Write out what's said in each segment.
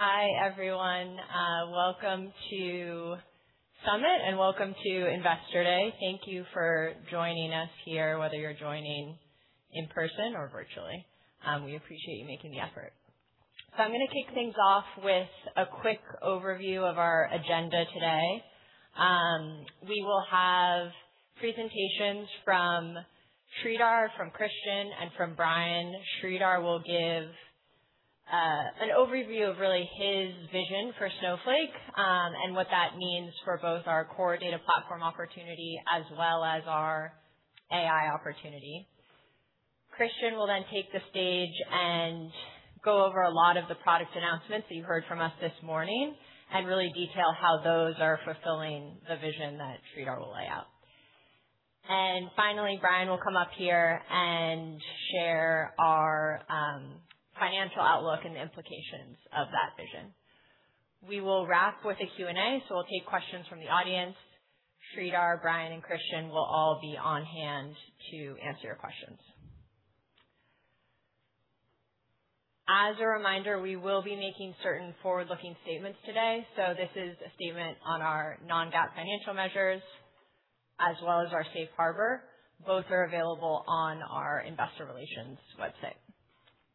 Hi, everyone. Welcome to Summit, and welcome to Investor Day. Thank you for joining us here, whether you're joining in person or virtually. We appreciate you making the effort. I'm going to kick things off with a quick overview of our agenda today. We will have presentations from Sridhar, from Christian, and from Brian. Sridhar will give an overview of really his vision for Snowflake, and what that means for both our Core Data Platform opportunity as well as our AI opportunity. Christian will then take the stage and go over a lot of the product announcements that you heard from us this morning, and really detail how those are fulfilling the vision that Sridhar will lay out. Finally, Brian will come up here and share our financial outlook and the implications of that vision. We will wrap with a Q&A, so we'll take questions from the audience. Sridhar, Brian, and Christian will all be on hand to answer your questions. As a reminder, we will be making certain forward-looking statements today. This is a statement on our non-GAAP financial measures as well as our safe harbor. Both are available on our investor relations website.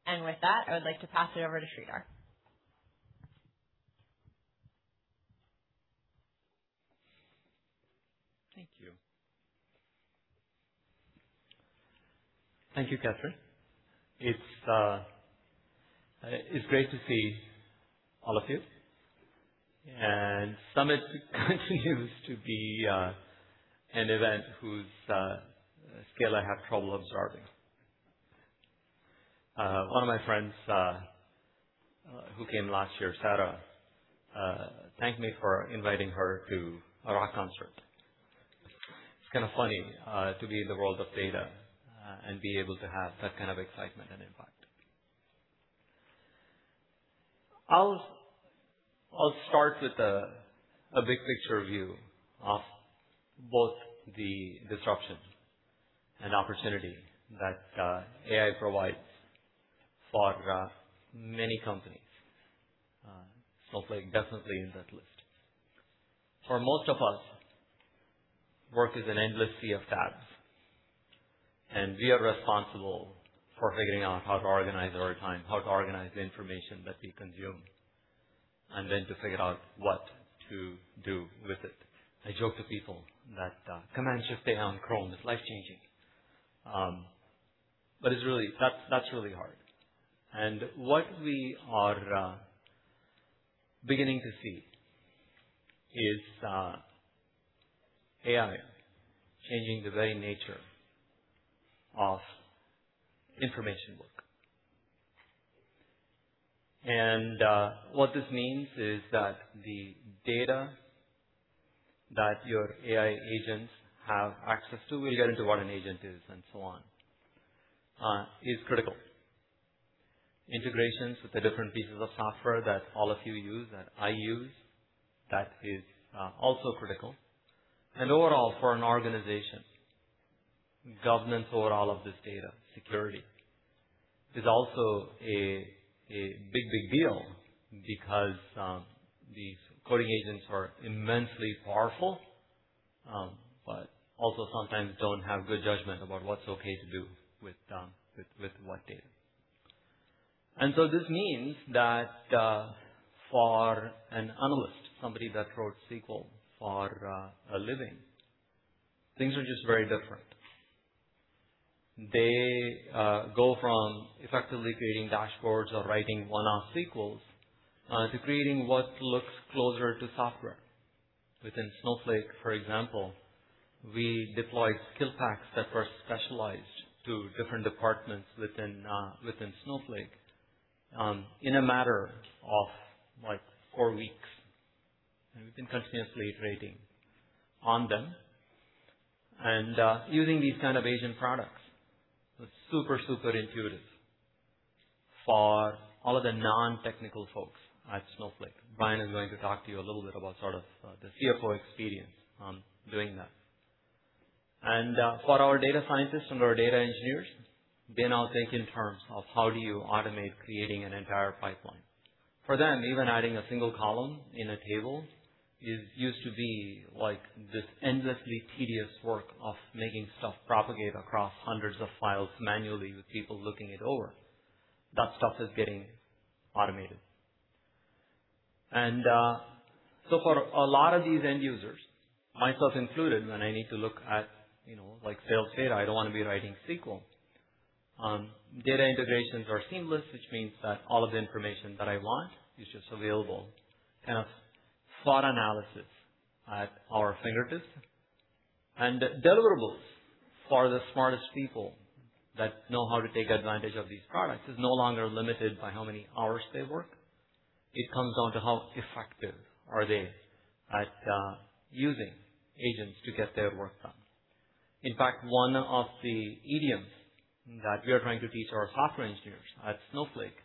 With that, I would like to pass it over to Sridhar. Thank you. Thank you, Katherine. It's great to see all of you. Summit continues to be an event whose scale I have trouble absorbing. One of my friends who came last year, Sarah, thanked me for inviting her to a rock concert. It's kind of funny to be in the world of data and be able to have that kind of excitement and impact. I'll start with a big-picture view of both the disruption and opportunity that AI provides for many companies. Snowflake is definitely in that list. For most of us, work is an endless sea of tabs, and we are responsible for figuring out how to organize our time, how to organize the information that we consume, and then to figure out what to do with it. I joke to people that Command-Shift-A on Chrome is life-changing. That's really hard. What we are beginning to see is AI changing the very nature of information work. What this means is that the data that your AI agents have access to, we'll get into what an agent is and so on, is critical. Integrations with the different pieces of software that all of you use, that I use, that is also critical. Overall, for an organization, governance over all of this data, security, is also a big, big deal because these coding agents are immensely powerful, but also sometimes don't have good judgment about what's okay to do with what data. This means that for an analyst, somebody that wrote SQL for a living, things are just very different. They go from effectively creating dashboards or writing one-off SQLs to creating what looks closer to software. Within Snowflake, for example, we deployed skill packs that were specialized to different departments within Snowflake in a matter of four weeks. We've been continuously iterating on them. Using these kind of agent products, it's super intuitive for all of the non-technical folks at Snowflake. Brian is going to talk to you a little bit about the CFO experience on doing that. For our data scientists and our data engineers, they now think in terms of how do you automate creating an entire pipeline. For them, even adding a single column in a table used to be this endlessly tedious work of making stuff propagate across hundreds of files manually with people looking it over. That stuff is getting automated. For a lot of these end users, myself included, when I need to look at sales data, I don't want to be writing SQL. Data integrations are seamless, which means that all of the information that I want is just available, kind of thought analysis at our fingertips. Deliverables for the smartest people that know how to take advantage of these products is no longer limited by how many hours they work. It comes down to how effective are they at using agents to get their work done. In fact, one of the idioms that we are trying to teach our software engineers at Snowflake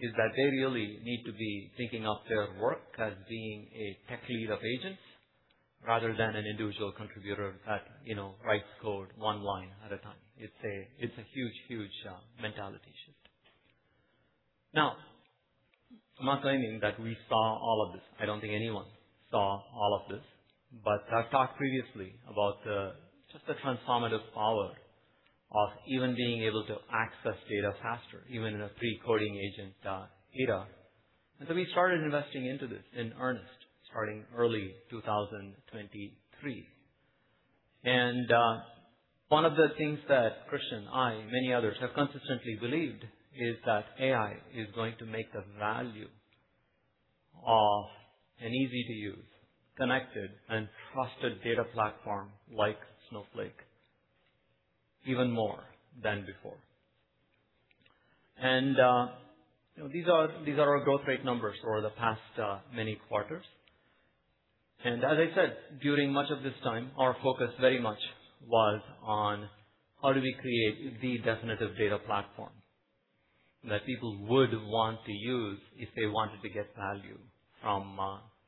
is that they really need to be thinking of their work as being a tech lead of agents rather than an individual contributor that writes code one line at a time. It's a huge mentality shift. I'm not claiming that we saw all of this. I don't think anyone saw all of this. I've talked previously about just the transformative power of even being able to access data faster, even in a pre-coding agent era. We started investing into this in earnest starting early 2023. One of the things that Christian, I, and many others have consistently believed is that AI is going to make the value of an easy-to-use, connected, and trusted data platform like Snowflake even more than before. These are our growth rate numbers for the past many quarters. As I said, during much of this time, our focus very much was on how do we create the definitive data platform that people would want to use if they wanted to get value from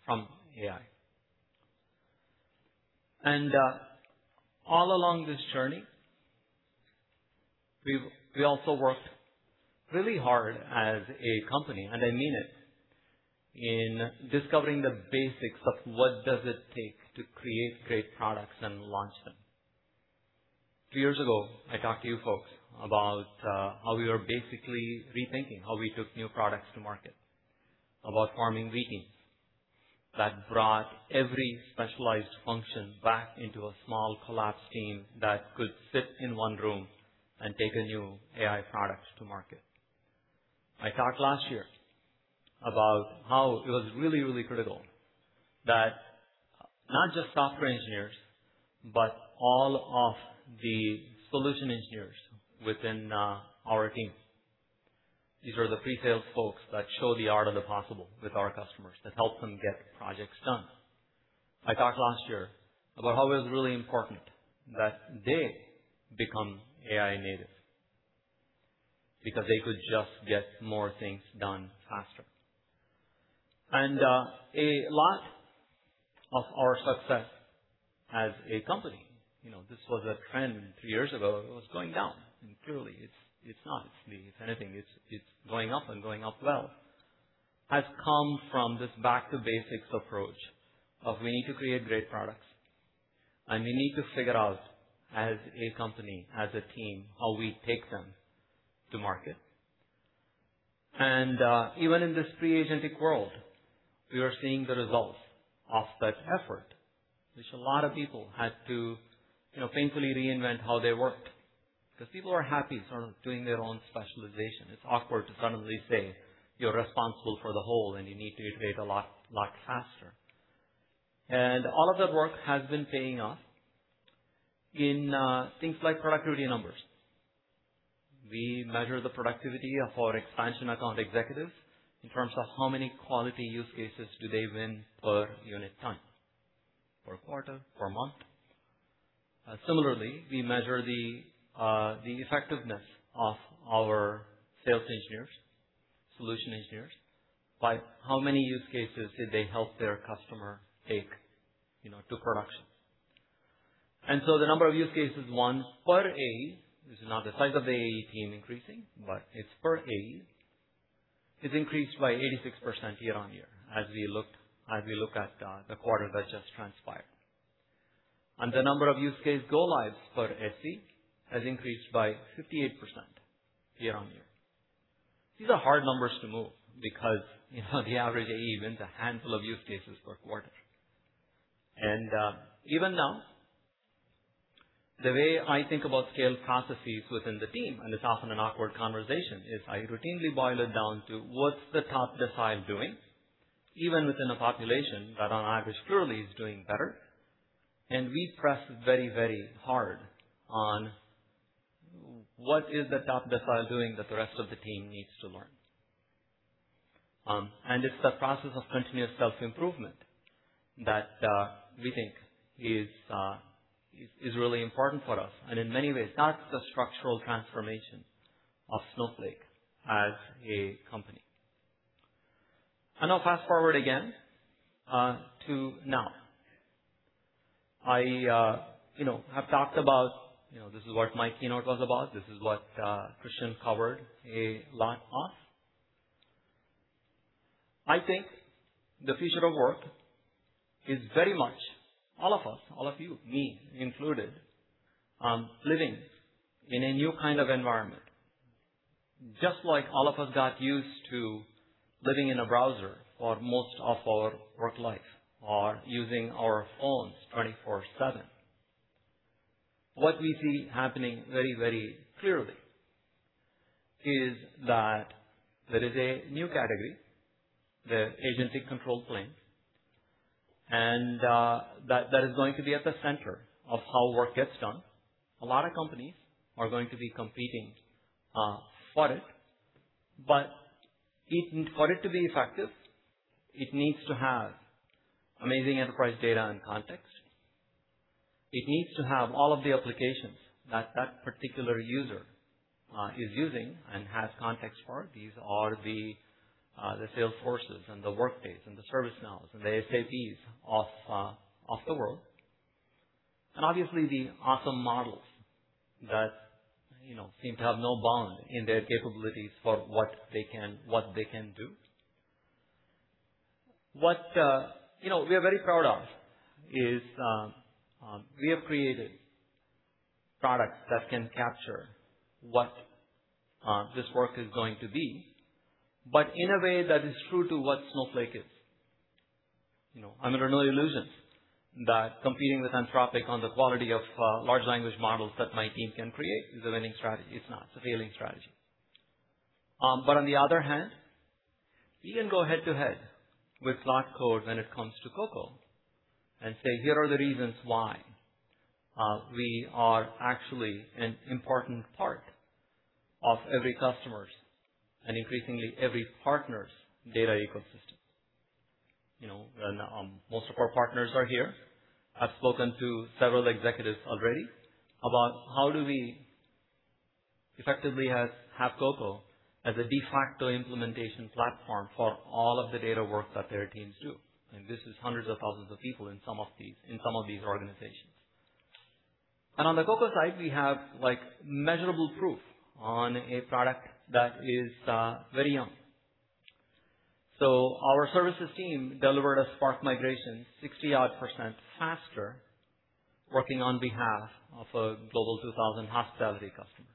AI. All along this journey, we also worked really hard as a company, I mean it, in discovering the basics of what does it take to create great products and launch them. Two years ago, I talked to you folks about how we were basically rethinking how we took new products to market, about forming v-teams that brought every specialized function back into a small collapsed team that could sit in one room and take a new AI product to market. I talked last year about how it was really critical that not just software engineers, but all of the solution engineers within our teams. These are the pre-sales folks that show the art of the possible with our customers, that help them get projects done. I talked last year about how it was really important that they become AI native, because they could just get more things done faster. A lot of our success as a company, this was a trend three years ago, it was going down. Clearly, it's not. If anything, it's going up and going up well, has come from this back-to-basics approach of we need to create great products, and we need to figure out, as a company, as a team, how we take them to market. Even in this pre-agentic world, we are seeing the results of that effort, which a lot of people had to painfully reinvent how they worked, because people are happy sort of doing their own specialization. It's awkward to suddenly say, "You're responsible for the whole, and you need to iterate a lot faster." All of that work has been paying off in things like productivity numbers. We measure the productivity of our expansion account executives in terms of how many quality use cases do they win per unit time, per quarter, per month. Similarly, we measure the effectiveness of our sales engineers, solution engineers, by how many use cases did they help their customer take to production. The number of use cases won per AE, this is not the size of the AE team increasing, but it's per AE, is increased by 86% year-on-year as we look at the quarter that just transpired. The number of use case go-lives per SE has increased by 58% year-on-year. These are hard numbers to move because the average AE wins a handful of use cases per quarter. Even now, the way I think about scale processes within the team, and it's often an awkward conversation, is I routinely boil it down to what's the top decile doing, even within a population that on average clearly is doing better. We press very hard on what is the top decile doing that the rest of the team needs to learn. It's the process of continuous self-improvement that we think is really important for us. In many ways, that's the structural transformation of Snowflake as a company. Now fast-forward again to now. I have talked about, this is what my keynote was about, this is what Christian covered a lot of. I think the future of work is very much all of us, all of you, me included, living in a new kind of environment. Just like all of us got used to living in a browser for most of our work life, or using our phones 24/7. What we see happening very clearly is that there is a new category, the agentic control plane, and that is going to be at the center of how work gets done. A lot of companies are going to be competing for it. For it to be effective, it needs to have amazing enterprise data and context. It needs to have all of the applications that that particular user is using and has context for. These are the Salesforces and the Workdays and the ServiceNows and the SAPs of the world. Obviously the awesome models that seem to have no bound in their capabilities for what they can do. What we are very proud of is we have created products that can capture what this work is going to be, but in a way that is true to what Snowflake is. I'm under no illusions that competing with Anthropic on the quality of large language models that my team can create is a winning strategy. It's not. It's a failing strategy. On the other hand, we can go head-to-head with Claude Code when it comes to CoCo and say, "Here are the reasons why we are actually an important part of every customer's, and increasingly every partner's, data ecosystem." Most of our partners are here. I've spoken to several executives already about how do we effectively have CoCo as a de facto implementation platform for all of the data work that their teams do, and this is hundreds of thousands of people in some of these organizations. On the CoCo side, we have measurable proof on a product that is very young. Our services team delivered a Spark migration 60-odd% faster working on behalf of a Global 2000 hospitality customer.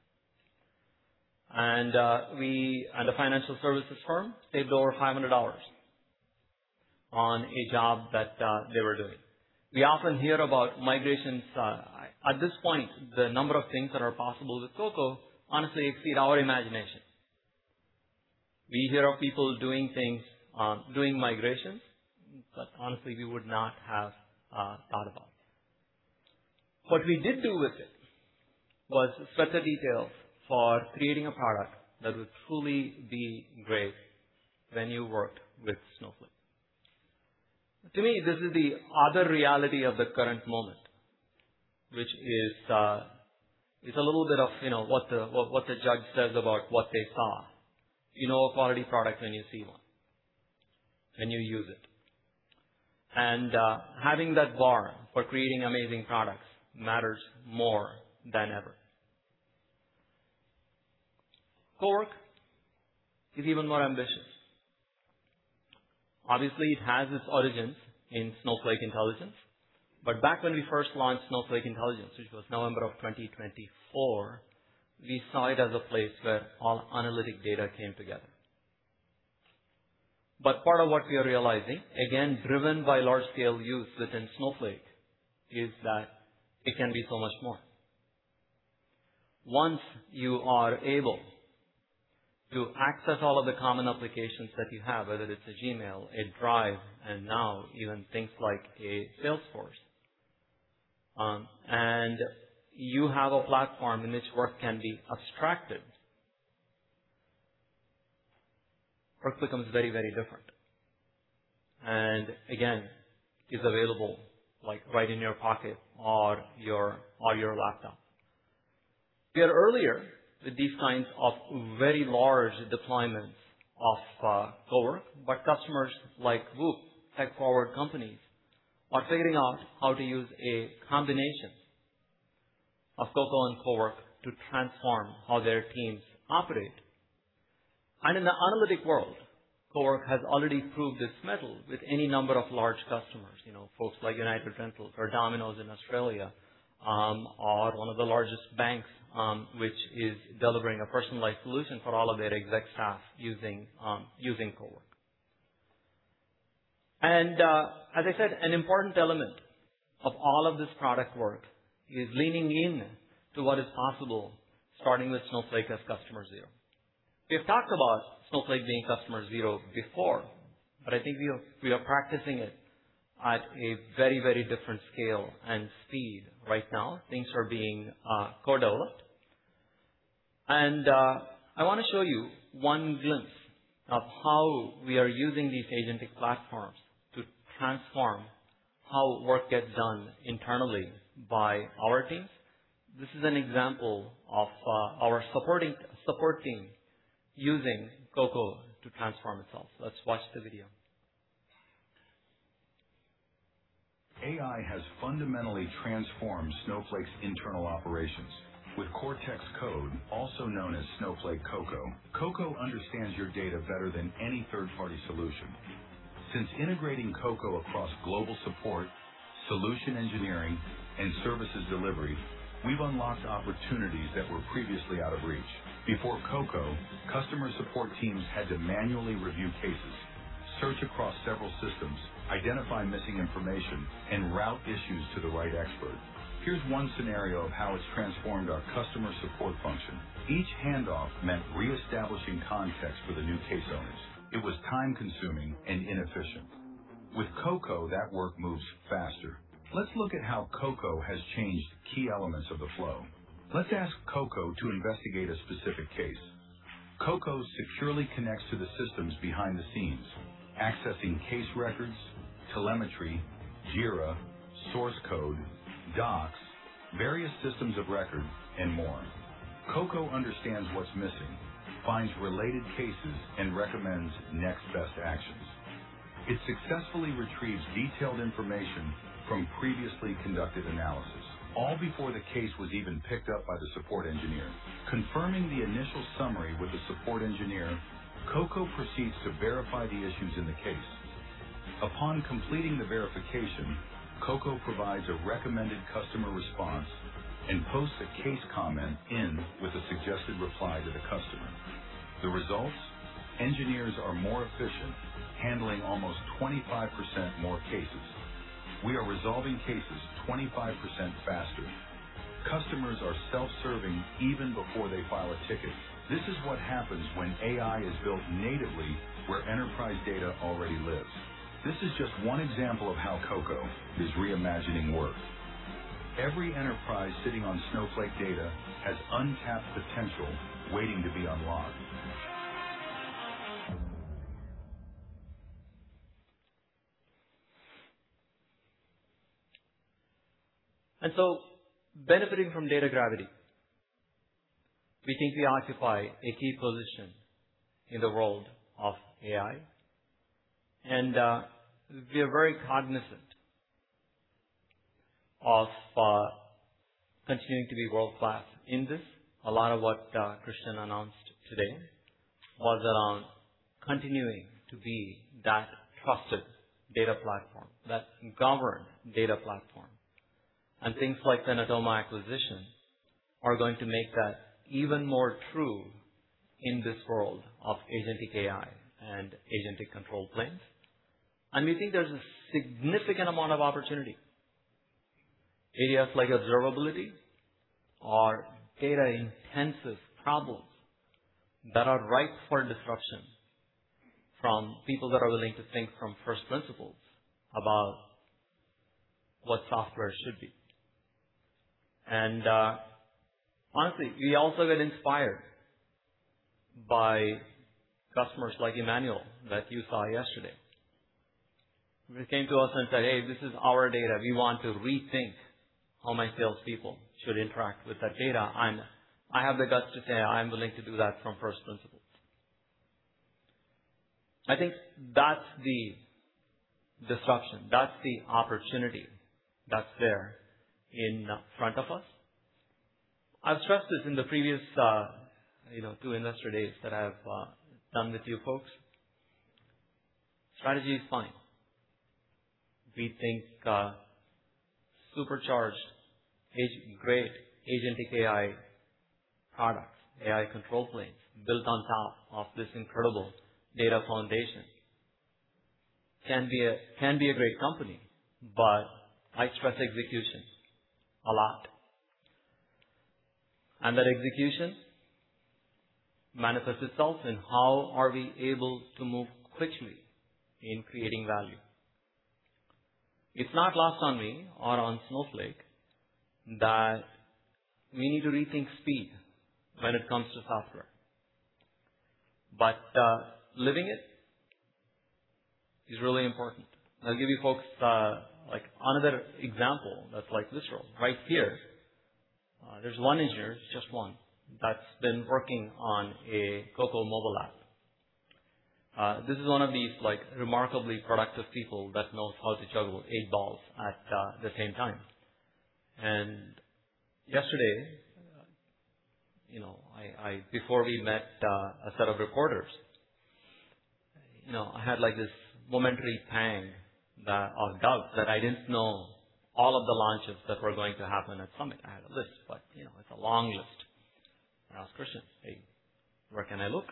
A financial services firm saved over 500 hours on a job that they were doing. We often hear about migrations. At this point, the number of things that are possible with CoCo honestly exceed our imagination. We hear of people doing migrations that honestly we would not have thought about. What we did do with it was sweat the details for creating a product that would truly be great when you worked with Snowflake. To me, this is the other reality of the current moment, which is a little bit of what the judge says about what they saw. You know a quality product when you see one, when you use it. Having that bar for creating amazing products matters more than ever. CoWork is even more ambitious. Obviously, it has its origins in Snowflake Intelligence. Back when we first launched Snowflake Intelligence, which was November of 2024, we saw it as a place where all analytic data came together. Part of what we are realizing, again, driven by large-scale use within Snowflake, is that it can be so much more. Once you are able to access all of the common applications that you have, whether it's a Gmail, a Drive, and now even things like a Salesforce, and you have a platform in which work can be abstracted, work becomes very different. Again, is available right in your pocket or your laptop. We are earlier with these kinds of very large deployments of CoWork, but customers like WHOOP, tech-forward companies are figuring out how to use a combination of CoCo and CoWork to transform how their teams operate. In the analytic world, CoWork has already proved its mettle with any number of large customers. Folks like United Rentals or Domino's in Australia, or one of the largest banks, which is delivering a personalized solution for all of their exec staff using CoWork. As I said, an important element of all of this product work is leaning into what is possible, starting with Snowflake as customer zero. We have talked about Snowflake being customer zero before, but I think we are practicing it at a very different scale and speed right now. Things are being co-developed. I want to show you one glimpse of how we are using these agentic platforms to transform how work gets done internally by our teams. This is an example of our support team using CoCo to transform itself. Let's watch the video. AI has fundamentally transformed Snowflake's internal operations with Cortex Code, also known as Snowflake CoCo. CoCo understands your data better than any third-party solution. Since integrating CoCo across global support, solution engineering, and services delivery, we've unlocked opportunities that were previously out of reach. Before CoCo, customer support teams had to manually review cases, search across several systems, identify missing information, and route issues to the right expert. Here's one scenario of how it's transformed our customer support function. Each handoff meant reestablishing context for the new case owners. It was time-consuming and inefficient. With CoCo, that work moves faster. Let's look at how CoCo has changed key elements of the flow. Let's ask CoCo to investigate a specific case. CoCo securely connects to the systems behind the scenes, accessing case records, telemetry, Jira, source code, docs, various systems of records, and more. CoCo understands what's missing, finds related cases, and recommends next best actions. It successfully retrieves detailed information from previously conducted analysis, all before the case was even picked up by the support engineer. Confirming the initial summary with the support engineer, CoCo proceeds to verify the issues in the case. Upon completing the verification, CoCo provides a recommended customer response and posts a case comment in with a suggested reply to the customer. The results, engineers are more efficient, handling almost 25% more cases. We are resolving cases 25% faster. Customers are self-serving even before they file a ticket. This is what happens when AI is built natively where enterprise data already lives. This is just one example of how CoCo is reimagining work. Every enterprise sitting on Snowflake data has untapped potential waiting to be unlocked. Benefiting from data gravity, we think we occupy a key position in the world of AI, and we are very cognizant of continuing to be world-class in this. A lot of what Christian announced today was around continuing to be that trusted data platform, that governed data platform. Things like the Natoma acquisition are going to make that even more true in this world of agentic AI and agentic control planes. We think there's a significant amount of opportunity. Areas like observability are data-intensive problems that are ripe for disruption from people that are willing to think from first principles about what software should be. Honestly, we also get inspired by customers like Emmanuel that you saw yesterday, who came to us and said, "Hey, this is our data. We want to rethink how my salespeople should interact with that data. I have the guts to say, I am willing to do that from first principles. I think that's the disruption. That's the opportunity that's there in front of us. I've stressed this in the previous two investor days that I've done with you folks. Strategy is fine. We think supercharged, great agentic AI products, AI control planes built on top of this incredible data foundation can be a great company. I stress execution a lot. That execution manifests itself in how are we able to move quickly in creating value. It's not lost on me or on Snowflake that we need to rethink speed when it comes to software. Living it is really important. I'll give you folks another example that's literal. Right here, there's one engineer, just one, that's been working on a CoCo mobile app. This is one of these remarkably productive people that knows how to juggle eight balls at the same time. Yesterday, before we met a set of reporters, I had this momentary pang of doubt that I didn't know all of the launches that were going to happen at Summit. I had a list. It's a long list. I asked Christian, "Hey, where can I look?"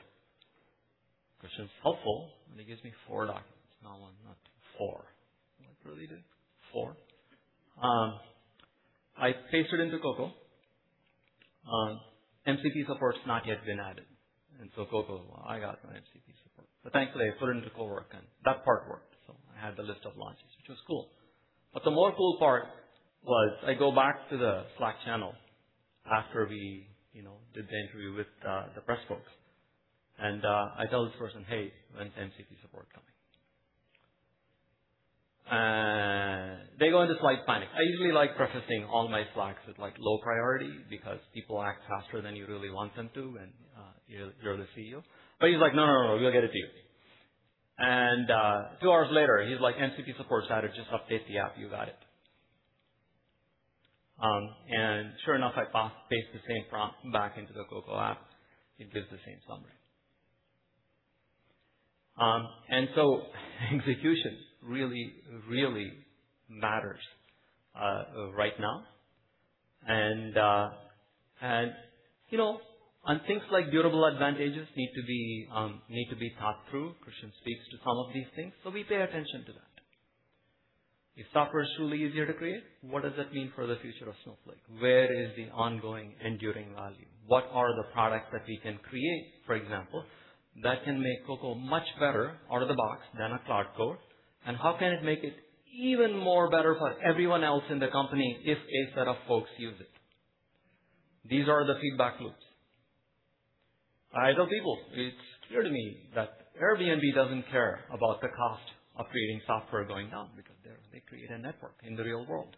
Christian's helpful, and he gives me four documents. Not one, not two, four. Is that what he did? Four. I pasted into CoCo. MCP support's not yet been added, and so CoCo's, "Well, I got no MCP support." Thankfully, I put it into CoWork and that part worked. I had the list of launches, which was cool. The more cool part was I go back to the Slack channel after we did the interview with the press folks, and I tell this person, "Hey, when's MCP support coming?" They go into slight panic. I usually like prefacing all my Slacks with low priority because people act faster than you really want them to, and you're the CEO. He's like, "No, no, we'll get it to you." Two hours later, he's like, "MCP support's added. Just update the app. You got it." Sure enough, I paste the same prompt back into the CoCo app, it gives the same summary. Execution really, really matters right now. Things like durable advantages need to be thought through. Christian speaks to some of these things, we pay attention to that. If software is truly easier to create, what does that mean for the future of Snowflake? Where is the ongoing, enduring value? What are the products that we can create, for example, that can make CoCo much better out of the box than a Claude Code? How can it make it even more better for everyone else in the company if a set of folks use it? These are the feedback loops. I tell people, it's clear to me that Airbnb doesn't care about the cost of creating software going down because they create a network in the real world.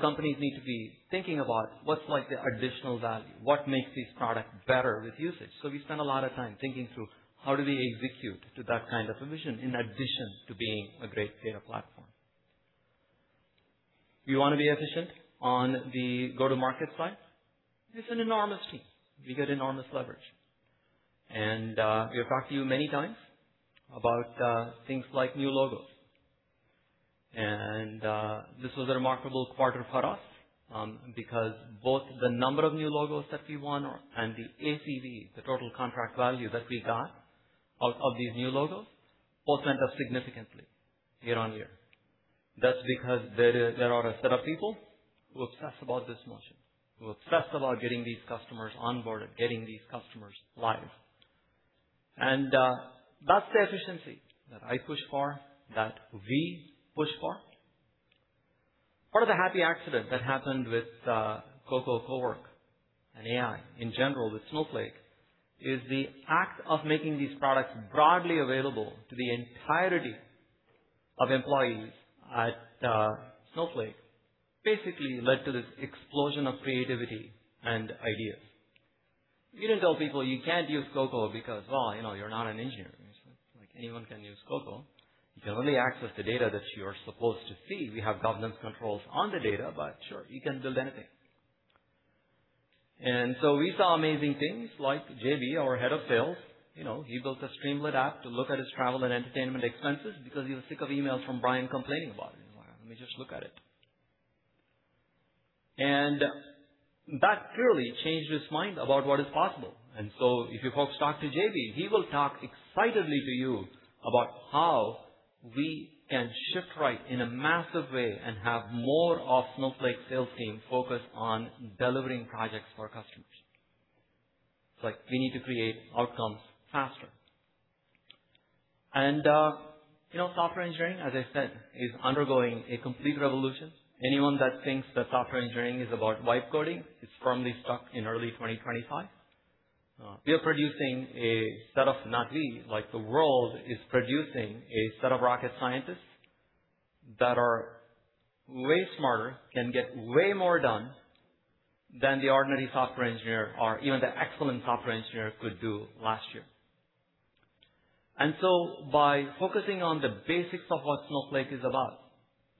Companies need to be thinking about what's the additional value, what makes this product better with usage. We spend a lot of time thinking through how do we execute to that kind of a vision, in addition to being a great data platform. We want to be efficient on the go-to-market side. It's an enormous team. We get enormous leverage. We have talked to you many times about things like new logos. This was a remarkable quarter for us, because both the number of new logos that we won and the ACV, the total contract value that we got out of these new logos, both went up significantly year-on-year. That's because there are a set of people who obsess about this motion, who obsess about getting these customers onboarded, getting these customers live. That's the efficiency that I push for, that we push for. Part of the happy accident that happened with CoCo, CoWork and AI in general with Snowflake is the act of making these products broadly available to the entirety of employees at Snowflake, basically led to this explosion of creativity and ideas. We didn't tell people, "You can't use CoCo because, well, you're not an engineer." Anyone can use CoCo. You can only access the data that you are supposed to see. We have governance controls on the data, sure, you can build anything. We saw amazing things like JB, our head of sales, he built a Streamlit app to look at his travel and entertainment expenses because he was sick of emails from Brian complaining about it. He's like, "Let me just look at it." That clearly changed his mind about what is possible. If you folks talk to JB, he will talk excitedly to you about how we can shift right in a massive way and have more of Snowflake sales team focused on delivering projects for customers. It's like we need to create outcomes faster. Software engineering, as I said, is undergoing a complete revolution. Anyone that thinks that software engineering is about vibe coding is firmly stuck in early 2025. We are producing a set of, not we, like the world is producing a set of rocket scientists that are way smarter, can get way more done than the ordinary software engineer or even the excellent software engineer could do last year. By focusing on the basics of what Snowflake is about,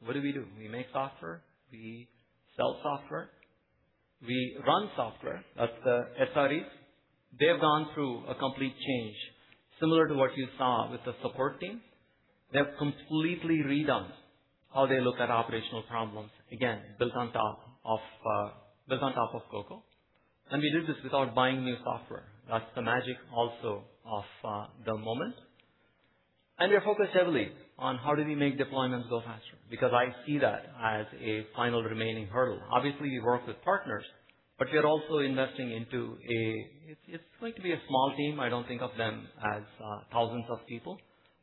what do we do? We make software, we sell software, we run software. That's the SREs. They've gone through a complete change similar to what you saw with the support team. They've completely redone how they look at operational problems, again, built on top of CoCo. We did this without buying new software. That's the magic also of the moment. We are focused heavily on how do we make deployments go faster, because I see that as a final remaining hurdle. Obviously, we work with partners, we are also investing into a small team. I don't think of them as thousands of people.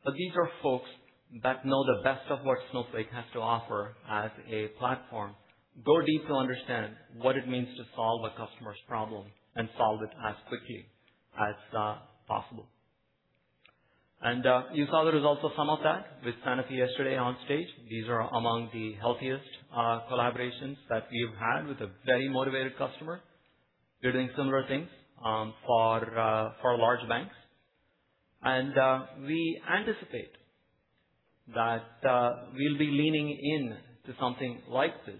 These are folks that know the best of what Snowflake has to offer as a platform. Go deep to understand what it means to solve a customer's problem and solve it as quickly as possible. You saw the results of some of that with Sanofi yesterday on stage. These are among the healthiest collaborations that we've had with a very motivated customer. We're doing similar things for large banks. We anticipate that we'll be leaning into something like this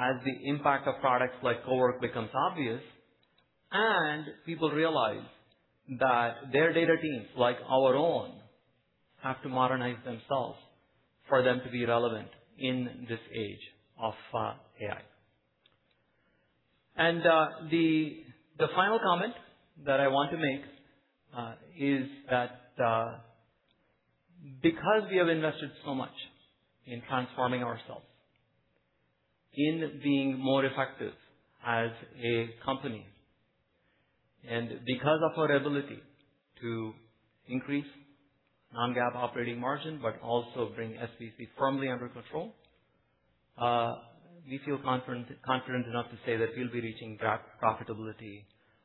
as the impact of products like CoWork becomes obvious, and people realize that their data teams, like our own, have to modernize themselves for them to be relevant in this age of AI. The final comment that I want to make is that because we have invested so much in transforming ourselves, in being more effective as a company, and because of our ability to increase non-GAAP operating margin but also bring SBC firmly under control, we feel confident enough to say that we'll be reaching profitability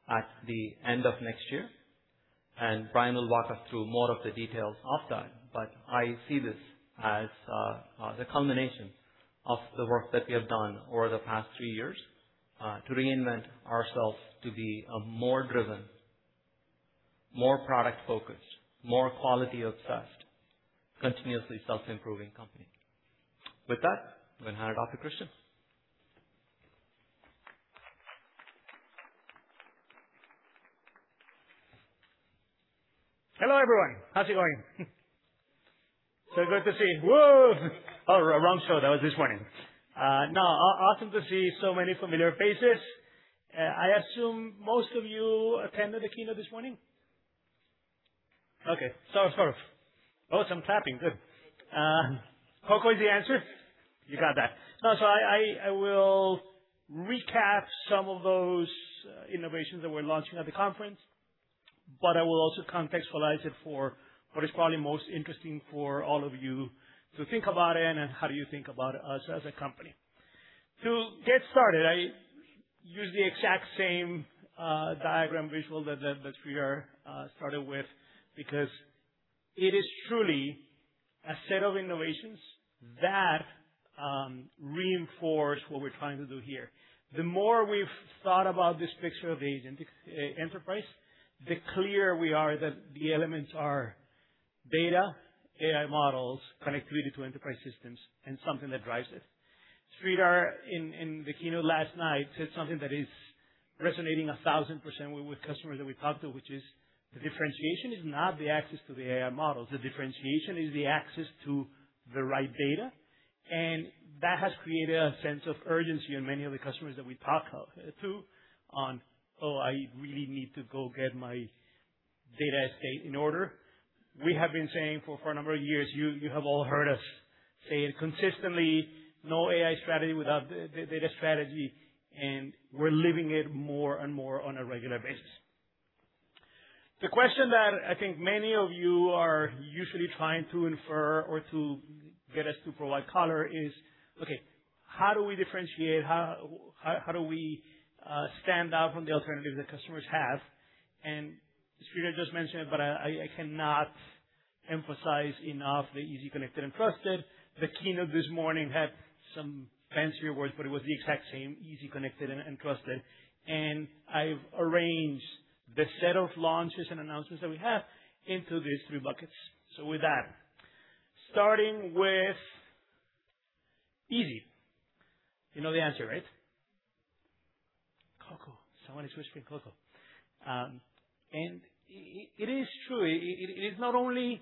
at the end of next year. Brian will walk us through more of the details of that. I see this as the culmination of the work that we have done over the past three years, to reinvent ourselves to be a more driven, more product-focused, more quality-obsessed, continuously self-improving company. With that, I'm going to hand it off to Christian. Hello, everyone. How's it going? So good to see you. Whoa. Oh, wrong show. That was this morning. No, awesome to see so many familiar faces. I assume most of you attended the keynote this morning? Okay. Oh, some clapping. Good. CoCo is the answer. You got that. I will recap some of those innovations that we're launching at the conference, but I will also contextualize it for what is probably most interesting for all of you to think about it and how do you think about us as a company. To get started, I use the exact same diagram visual that Sridhar started with because it is truly a set of innovations that reinforce what we're trying to do here. The more we've thought about this picture of the agentic enterprise, the clearer we are that the elements are data, AI models, connectivity to enterprise systems, and something that drives it. Sridhar, in the keynote last night, said something that is resonating 1,000% with customers that we talk to, which is the differentiation is not the access to the AI models. The differentiation is the access to the right data. That has created a sense of urgency in many of the customers that we talk to on, "Oh, I really need to go get my data estate in order." We have been saying for a number of years, you have all heard us say it consistently, no AI strategy without data strategy, and we're living it more and more on a regular basis. The question that I think many of you are usually trying to infer or to get us to provide color is, okay, how do we differentiate? How do we stand out from the alternatives that customers have? Sridhar just mentioned it, but I cannot emphasize enough the easy, connected, and trusted. The keynote this morning had some fancier words, but it was the exact same, easy, connected, and trusted. I've arranged the set of launches and announcements that we have into these three buckets. With that, starting with easy. You know the answer, right? CoCo. Someone is whispering CoCo. It is true. It is not only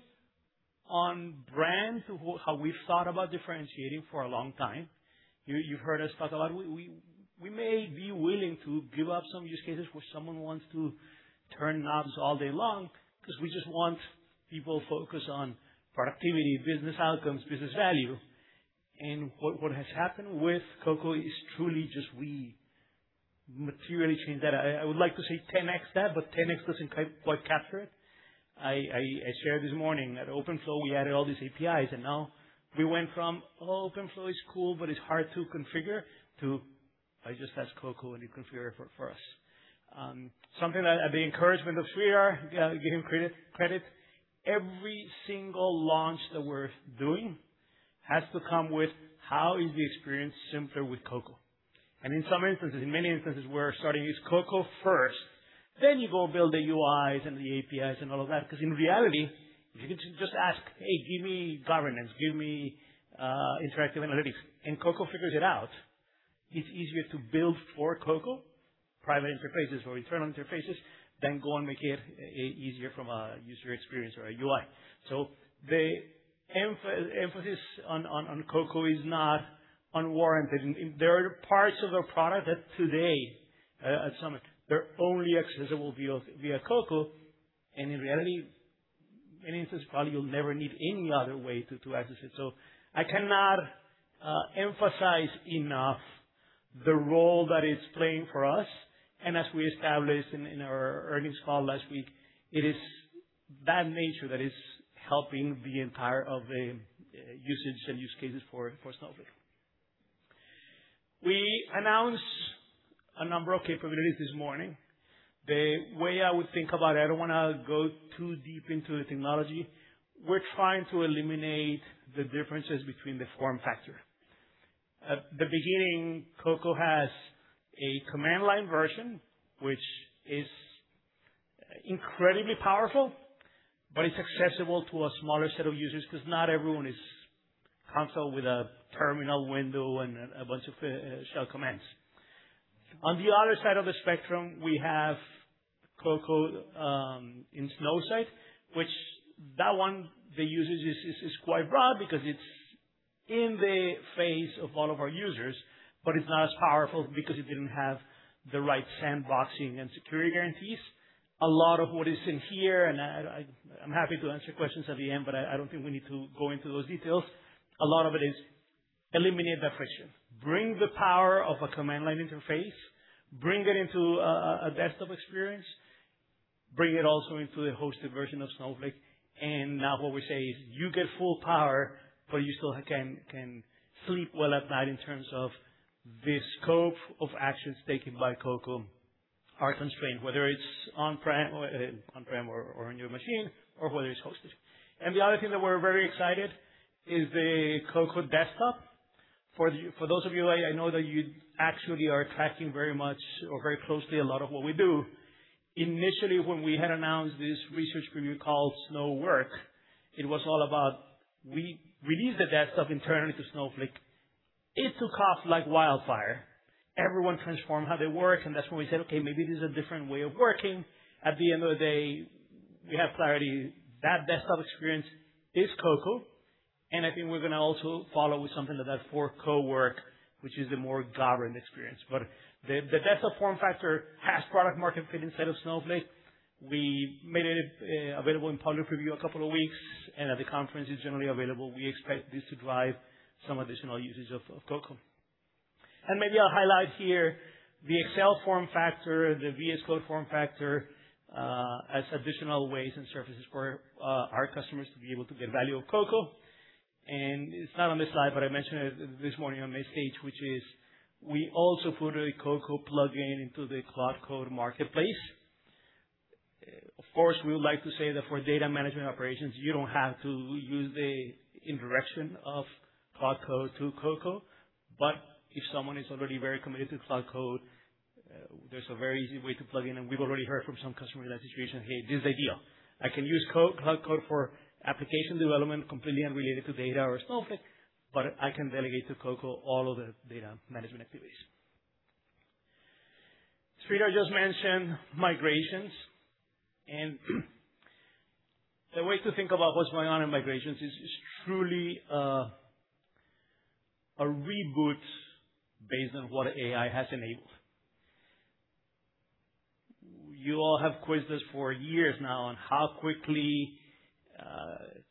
on brand how we've thought about differentiating for a long time. You've heard us talk a lot. We may be willing to give up some use cases where someone wants to turn knobs all day long because we just want people focused on productivity, business outcomes, business value. What has happened with CoCo is truly just we materially change that. I would like to say 10x that, 10x doesn't quite capture it. I shared this morning at Openflow, we added all these APIs, now we went from, "Oh, Openflow is cool, it's hard to configure," to, "I just ask CoCo, you configure it for us." Something at the encouragement of Sridhar, give him credit, every single launch that we're doing has to come with how is the experience simpler with CoCo. In some instances, in many instances, we're starting to use CoCo first, then you go build the UIs and the APIs and all of that, because in reality, if you can just ask, "Hey, give me governance, give me interactive analytics," and CoCo figures it out, it's easier to build for CoCo private interfaces or internal interfaces than go and make it easier from a user experience or a UI. The emphasis on CoCo is not unwarranted. There are parts of a product that today, at Summit, they're only accessible via CoCo, and in reality, in instance, probably you'll never need any other way to access it. I cannot emphasize enough the role that it's playing for us. As we established in our earnings call last week, it is that nature that is helping the entire usage and use cases for Snowflake. We announced a number of capabilities this morning. The way I would think about it, I don't want to go too deep into the technology. We're trying to eliminate the differences between the form factor. At the beginning, CoCo has a command line version, which is incredibly powerful, but it's accessible to a smaller set of users because not everyone is comfortable with a terminal window and a bunch of shell commands. On the other side of the spectrum, we have CoCo in Snowsight, which that one, the usage is quite broad because it's in the face of all of our users, but it's not as powerful because it didn't have the right sandboxing and security guarantees. A lot of what is in here, and I'm happy to answer questions at the end, but I don't think we need to go into those details. A lot of it is eliminate that friction, bring the power of a command line interface, bring it into a desktop experience, bring it also into the hosted version of Snowflake. Now what we say is you get full power, but you still can sleep well at night in terms of the scope of actions taken by CoCo are constrained, whether it's on-prem or on your machine or whether it's hosted. The other thing that we're very excited is the CoCo Desktop. For those of you, I know that you actually are tracking very much or very closely a lot of what we do. Initially, when we had announced this research preview called Snow Work, it was all about we released the desktop internally to Snowflake. It took off like wildfire. Everyone transformed how they work, that's when we said, "Okay, maybe this is a different way of working." At the end of the day, we have clarity. That desktop experience is CoCo. I think we're going to also follow with something like that for CoWork, which is the more governed experience. The desktop form factor has product-market fit inside of Snowflake. We made it available in public preview a couple of weeks, at the conference, it's generally available. We expect this to drive some additional usage of CoCo. Maybe I'll highlight here the Excel form factor, the VS Code form factor, as additional ways and surfaces for our customers to be able to get value of CoCo. It's not on this slide, I mentioned it this morning on the stage, which is we also put a CoCo plugin into the Cloud Code marketplace. Of course, we would like to say that for data management operations, you don't have to use the indirection of Cloud Code to CoCo. If someone is already very committed to Cloud Code, there's a very easy way to plug in, and we've already heard from some customers in that situation, "Hey, this is ideal. I can use Cloud Code for application development completely unrelated to data or Snowflake, but I can delegate to CoCo all of the data management activities." Sridhar just mentioned migrations, and the way to think about what's going on in migrations is it's truly a reboot based on what AI has enabled. You all have quizzed us for years now on how quickly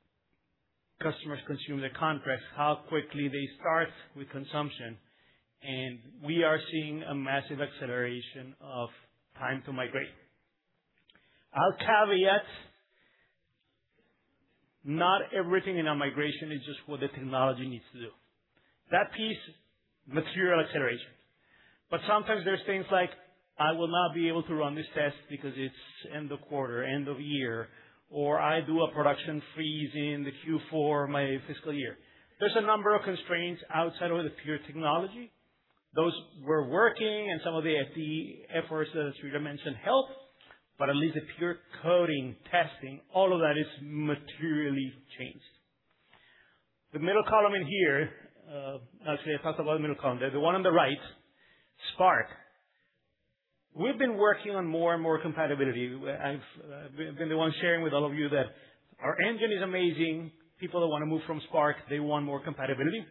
customers consume the contracts, how quickly they start with consumption, and we are seeing a massive acceleration of time to migrate. I'll caveat, not everything in a migration is just what the technology needs to do. That piece, material acceleration. Sometimes there's things like, I will not be able to run this test because it's end of quarter, end of year, or I do a production freeze in the Q4 of my fiscal year. There's a number of constraints outside of the pure technology. Those were working, and some of the efforts that Sridhar mentioned help, but at least the pure coding, testing, all of that is materially changed. The middle column in here, actually, I talked about the middle column there. The one on the right, Spark. We've been working on more and more compatibility. I've been the one sharing with all of you that our engine is amazing. People that want to move from Spark, they want more compatibility.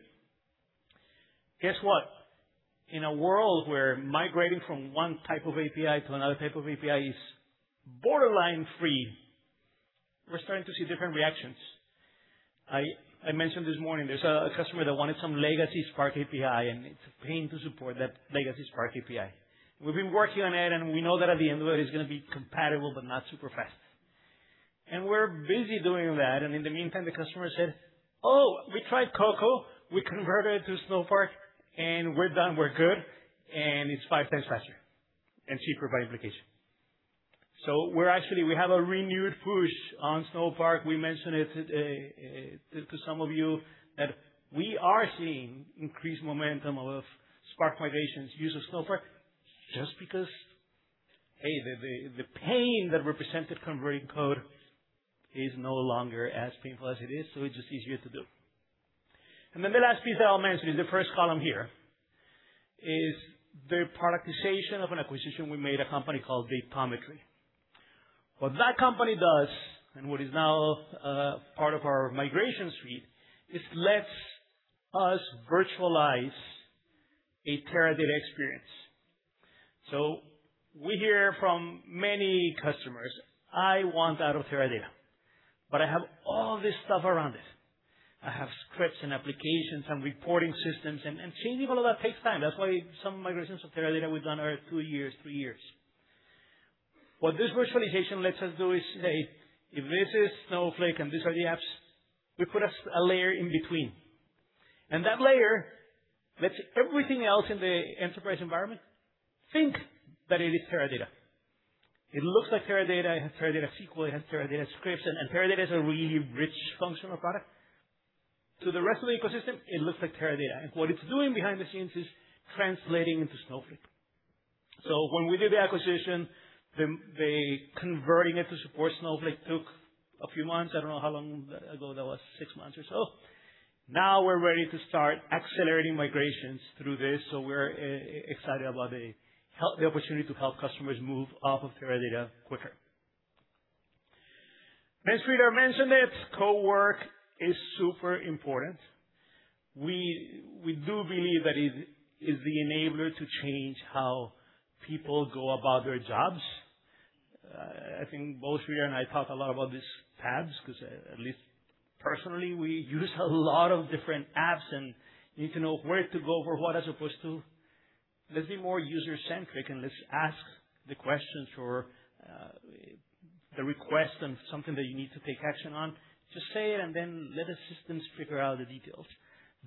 Guess what? In a world where migrating from one type of API to another type of API is borderline free, we're starting to see different reactions. I mentioned this morning there's a customer that wanted some legacy Spark API, and it's a pain to support that legacy Spark API. We've been working on it, and we know that at the end of it's going to be compatible, but not super fast. We're busy doing that. In the meantime, the customer said, "Oh, we tried CoCo. We converted to Snowpark, and we're done. We're good," and it's five times faster and cheaper by implication. We have a renewed push on Snowpark. We mentioned it to some of you that we are seeing increased momentum of Spark migrations use of Snowpark just because, hey, the pain that represented converting code is no longer as painful as it is. It's just easier to do. The last piece that I'll mention is the first column here, is the productization of an acquisition we made, a company called Datometry. What that company does, and what is now part of our migration suite, is lets us virtualize a Teradata experience. We hear from many customers, "I want out of Teradata, but I have all this stuff around it. I have scripts and applications and reporting systems," and changing all of that takes time. That's why some migrations of Teradata we've done are two years, three years. What this virtualization lets us do is say, if this is Snowflake and these are the apps, we put a layer in between. That layer lets everything else in the enterprise environment think that it is Teradata. It looks like Teradata. It has Teradata SQL, it has Teradata scripts, and Teradata is a really rich functional product. To the rest of the ecosystem, it looks like Teradata. What it's doing behind the scenes is translating into Snowflake. When we did the acquisition, the converting it to support Snowflake took a few months. I don't know how long ago that was, six months or so. Now we're ready to start accelerating migrations through this, so we're excited about the opportunity to help customers move off of Teradata quicker. Sridhar mentioned it, CoWork is super important. We do believe that it is the enabler to change how people go about their jobs. I think both Sridhar and I talk a lot about these tabs because at least personally, we use a lot of different apps, and you need to know where to go for what, as opposed to let's be more user-centric, and let's ask the questions for the request and something that you need to take action on. Just say it and then let the systems figure out the details.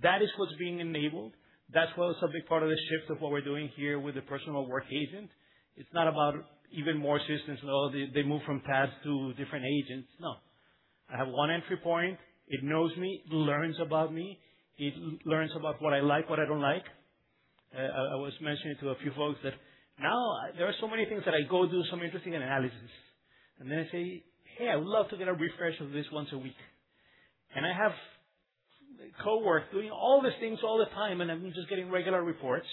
That is what's being enabled. That's also a big part of the shift of what we're doing here with the personal work agent. It's not about even more systems. Oh, they move from tabs to different agents. No. I have one entry point. It knows me, learns about me. It learns about what I like, what I don't like. I was mentioning to a few folks that now there are so many things that I go do some interesting analysis, and then I say, "Hey, I would love to get a refresh of this once a week." I have CoWork doing all these things all the time, and I'm just getting regular reports.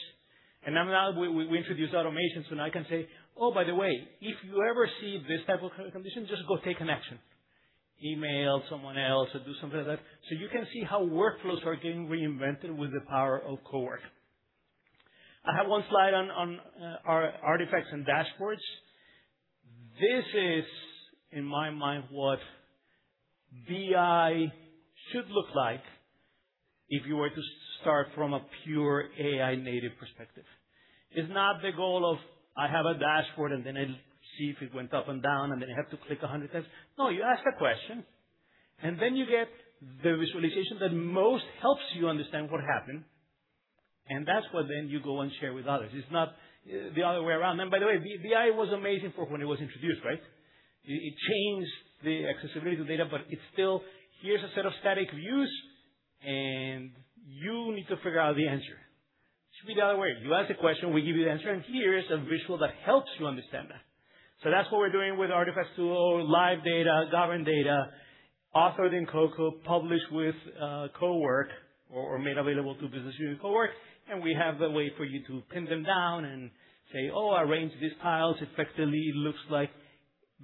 Now we introduce automation. Now I can say, "Oh, by the way, if you ever see this type of condition, just go take an action, email someone else, or do something like that." You can see how workflows are getting reinvented with the power of CoWork. I have one slide on artifacts and dashboards. This is, in my mind, what BI should look like if you were to start from a pure AI-native perspective. It's not the goal of, "I have a dashboard, and then I'll see if it went up and down, and then I have to click 100 times." No, you ask a question, and then you get the visualization that most helps you understand what happened, and that's what then you go and share with others. It's not the other way around. By the way, BI was amazing for when it was introduced, right? It changed the accessibility to data, but it's still, here's a set of static views, and you need to figure out the answer. It should be the other way. You ask a question, we give you the answer, and here is a visual that helps you understand that. That's what we're doing with Artifact Repository, live data, governed data, authored in CoCo, published with CoWork or made available to business unit CoWork, and we have the way for you to pin them down and say, "Oh, arrange these tiles effectively." It looks like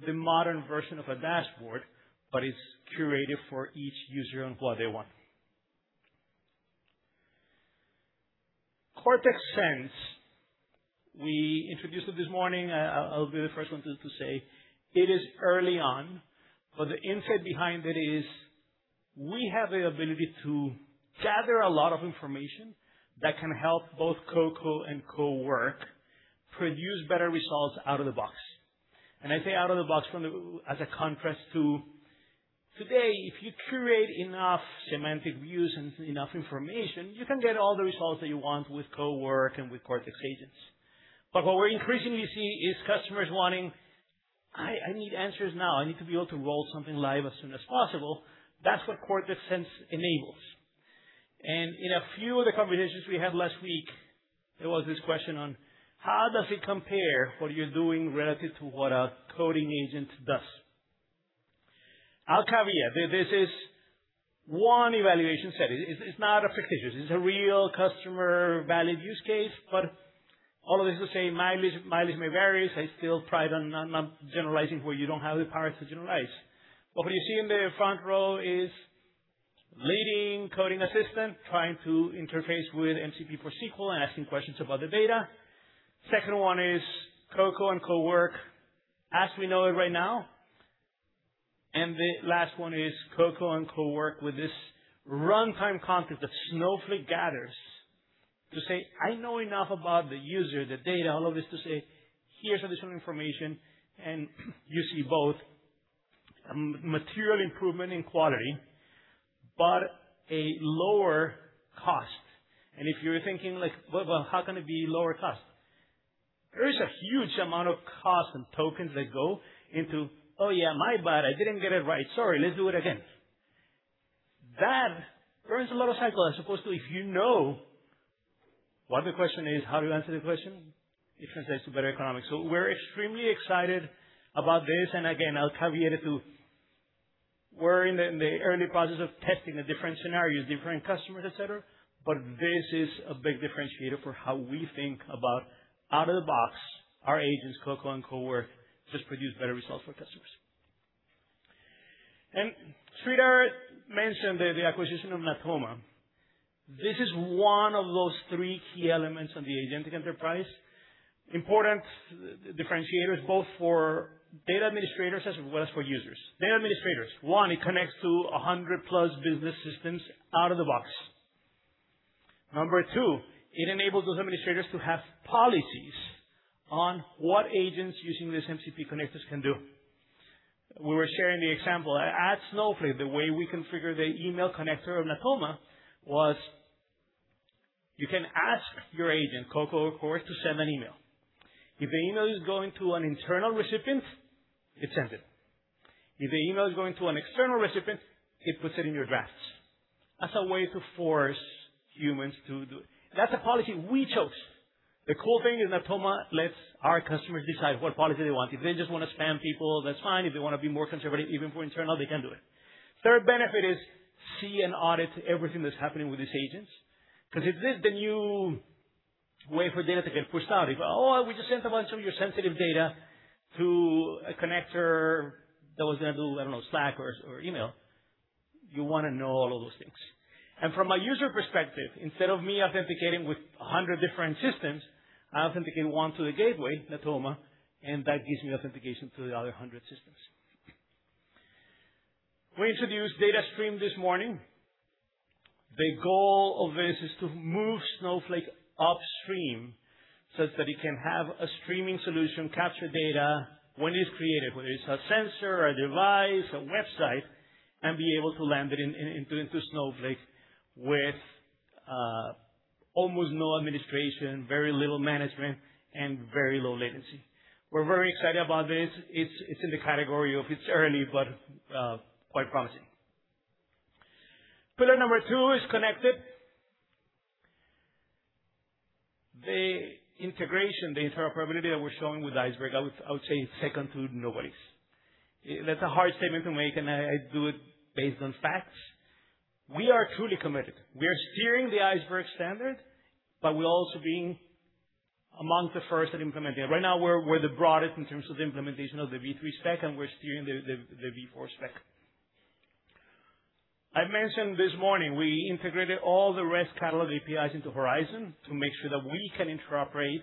the modern version of a dashboard, but it's curated for each user and what they want. Cortex Sense, we introduced it this morning. I'll be the first one to say it is early on, but the insight behind it is we have the ability to gather a lot of information that can help both CoCo and CoWork produce better results out of the box. I say out of the box as a contrast to today, if you curate enough semantic views and enough information, you can get all the results that you want with CoWork and with Cortex Agents. What we're increasingly seeing is customers wanting, "I need answers now. I need to be able to roll something live as soon as possible." That's what Cortex Sense enables. In a few of the conversations we had last week, there was this question on how does it compare what you're doing relative to what a coding agent does? I'll caveat, this is one evaluation set. It's not fictitious. It's a real customer valid use case, but all of this is to say mileage may varies. I still pride on not generalizing where you don't have the power to generalize. What you see in the front row is leading coding assistant trying to interface with MCP for SQL and asking questions about the data. Second one is CoCo and CoWork as we know it right now, the last one is CoCo and CoWork with this runtime context that Snowflake gathers to say, "I know enough about the user, the data," all of this to say, "Here's additional information," you see both material improvement in quality, but a lower cost. If you're thinking, "Well, how can it be lower cost?" There is a huge amount of cost and tokens that go into, "Oh, yeah, my bad. I didn't get it right. Sorry. Let's do it again." That burns a lot of cycles, as opposed to if you know what the question is, how do you answer the question, it translates to better economics. We're extremely excited about this, and again, I'll caveat it to we're in the early process of testing the different scenarios, different customers, et cetera, but this is a big differentiator for how we think about out of the box, our agents, CoCo and CoWork, just produce better results for customers. Sridhar mentioned the acquisition of Natoma. This is one of those three key elements on the agentic enterprise. Important differentiators both for data administrators as well as for users. Data administrators, one, it connects to 100-plus business systems out of the box. Number 2, it enables those administrators to have policies on what agents using these MCP connectors can do. We were sharing the example. At Snowflake, the way we configure the email connector of Natoma was you can ask your agent, CoCo or CoWork, to send an email. If the email is going to an internal recipient, it sends it. If the email is going to an external recipient, it puts it in your drafts. That's a way to force humans to do it. That's a policy we chose. The cool thing is Natoma lets our customers decide what policy they want. If they just want to spam people, that's fine. If they want to be more conservative, even for internal, they can do it. Third benefit is see and audit everything that's happening with these agents. Because if this is the new way for data to get pushed out, if, "Oh, we just sent some of your sensitive data to a connector that was going to do, I don't know, Slack or email," you want to know all of those things. From a user perspective, instead of me authenticating with 100 different systems, I authenticate one to the gateway, Natoma, and that gives me authentication to the other 100 systems. We introduced Datastream this morning. The goal of this is to move Snowflake upstream such that it can have a streaming solution, capture data when it's created, whether it's a sensor, a device, a website, and be able to land it into Snowflake with almost no administration, very little management, and very low latency. We're very excited about this. It's in the category of it's early but quite promising. Pillar number 2 is connected. The integration, the interoperability that we're showing with Iceberg, I would say it's second to nobody's. That's a hard statement to make, I do it based on facts. We are truly committed. We are steering the Iceberg standard, but we're also being among the first at implementing it. Right now, we're the broadest in terms of the implementation of the V3 spec, and we're steering the V4 spec. I mentioned this morning, we integrated all the REST catalog APIs into Horizon to make sure that we can interoperate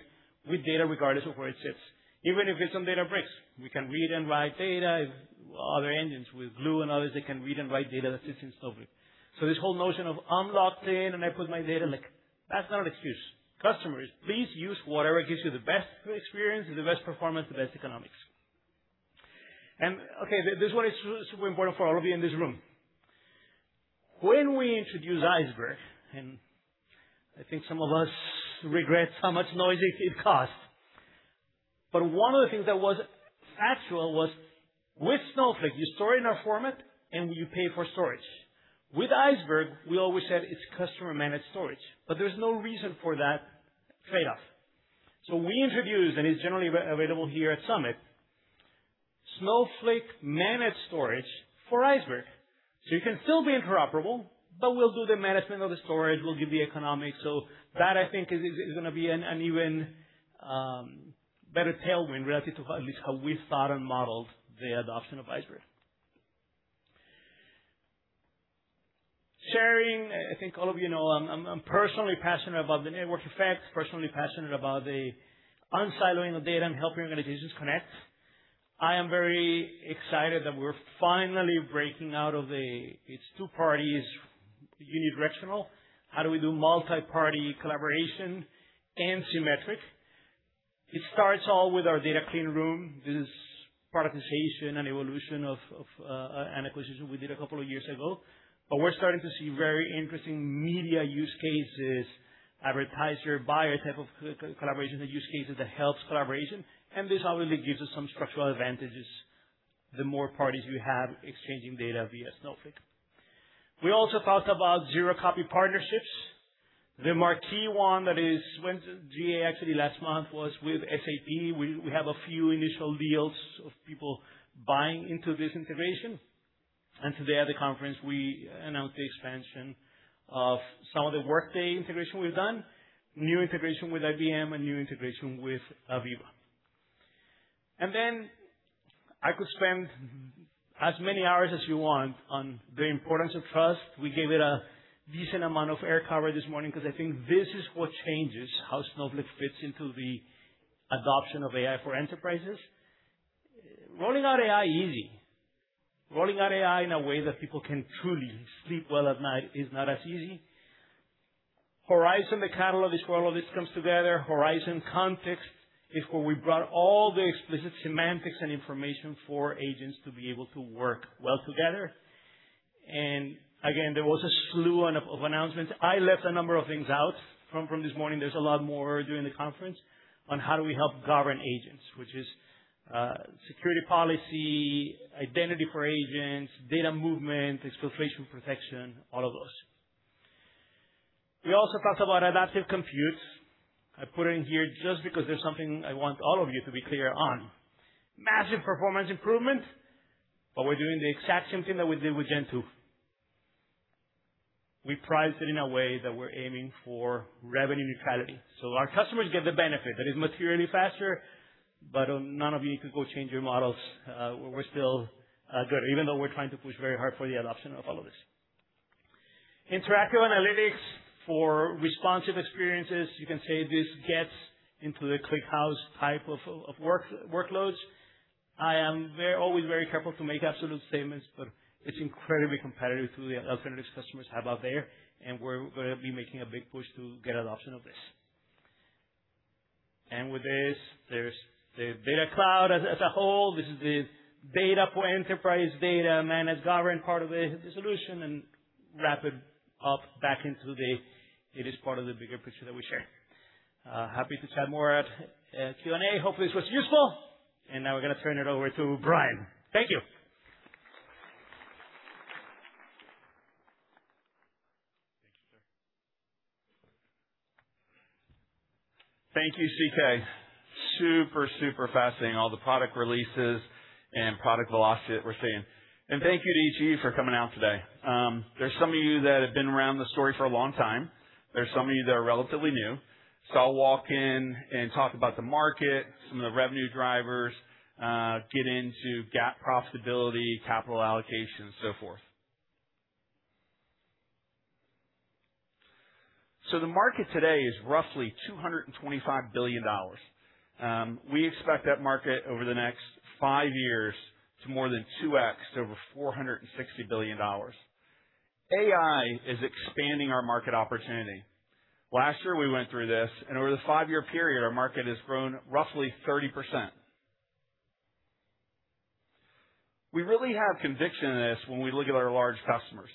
with data regardless of where it sits. Even if it's on Databricks, we can read and write data. Other engines with Glue and others, they can read and write data that sits in Snowflake. This whole notion of I'm locked in and I put my data, that's not an excuse. Customers, please use whatever gives you the best experience, the best performance, the best economics. Okay, this one is super important for all of you in this room. When we introduced Iceberg, and I think some of us regret how much noise it caused, but one of the things that was factual was with Snowflake, you store it in our format, and you pay for storage. With Iceberg, we always said it's customer-managed storage, but there's no reason for that trade-off. We introduced, and it's generally available here at Summit, Snowflake-managed storage for Iceberg. You can still be interoperable, but we'll do the management of the storage. We'll give the economics. That I think is going to be an even better tailwind relative to at least how we thought and modeled the adoption of Iceberg. Sharing, I think all of you know I'm personally passionate about the network effects, personally passionate about the unsiloing of data and helping organizations connect. I am very excited that we're finally breaking out of the, it's two parties, unidirectional. How do we do multi-party collaboration and symmetric? It starts all with our Data Clean Room. This is productization, an evolution of an acquisition we did a couple of years ago. We're starting to see very interesting media use cases, advertiser, buyer type of collaboration, the use cases that helps collaboration, and this obviously gives us some structural advantages, the more parties you have exchanging data via Snowflake. We also talked about zero-copy partnerships. The marquee one that went GA actually last month was with SAP. We have a few initial deals of people buying into this integration. Today at the conference, we announced the expansion of some of the Workday integration we've done, new integration with IBM, a new integration with AVEVA. Then I could spend as many hours as you want on the importance of trust. We gave it a decent amount of air cover this morning because I think this is what changes how Snowflake fits into the adoption of AI for enterprises. Rolling out AI, easy. Rolling out AI in a way that people can truly sleep well at night is not as easy. Horizon, the catalog, is where all this comes together. Horizon Context is where we brought all the explicit semantics and information for agents to be able to work well together. Again, there was a slew of announcements. I left a number of things out from this morning. There's a lot more during the conference on how do we help govern agents, which is security policy, identity for agents, data movement, exfiltration protection, all of those. We also talked about Adaptive Compute. I put it in here just because there's something I want all of you to be clear on. Massive performance improvement. We're doing the exact same thing that we did with Gen2. We priced it in a way that we're aiming for revenue neutrality. Our customers get the benefit. That is materially faster. None of you need to go change your models. We're still good, even though we're trying to push very hard for the adoption of all of this. Interactive analytics for responsive experiences. You can say this gets into the ClickHouse type of workloads. I am always very careful to make absolute statements. It's incredibly competitive to the analytics customers have out there, and we're going to be making a big push to get adoption of this. With this, there's the Data Cloud as a whole. This is the data for enterprise data managed govern part of the solution, it is part of the bigger picture that we share. Happy to chat more at Q&A. Hopefully, this was useful. Now we're going to turn it over to Brian. Thank you. Thank you, sir. Thank you, CK. Super, super fascinating, all the product releases and product velocity that we're seeing. Thank you to each of you for coming out today. There's some of you that have been around the story for a long time. There's some of you that are relatively new. I'll walk in and talk about the market, some of the revenue drivers, get into GAAP profitability, capital allocation, so forth. The market today is roughly $225 billion. We expect that market over the next five years to more than 2x to over $460 billion. AI is expanding our market opportunity. Last year, we went through this. Over the five-year period, our market has grown roughly 30%. We really have conviction in this when we look at our large customers.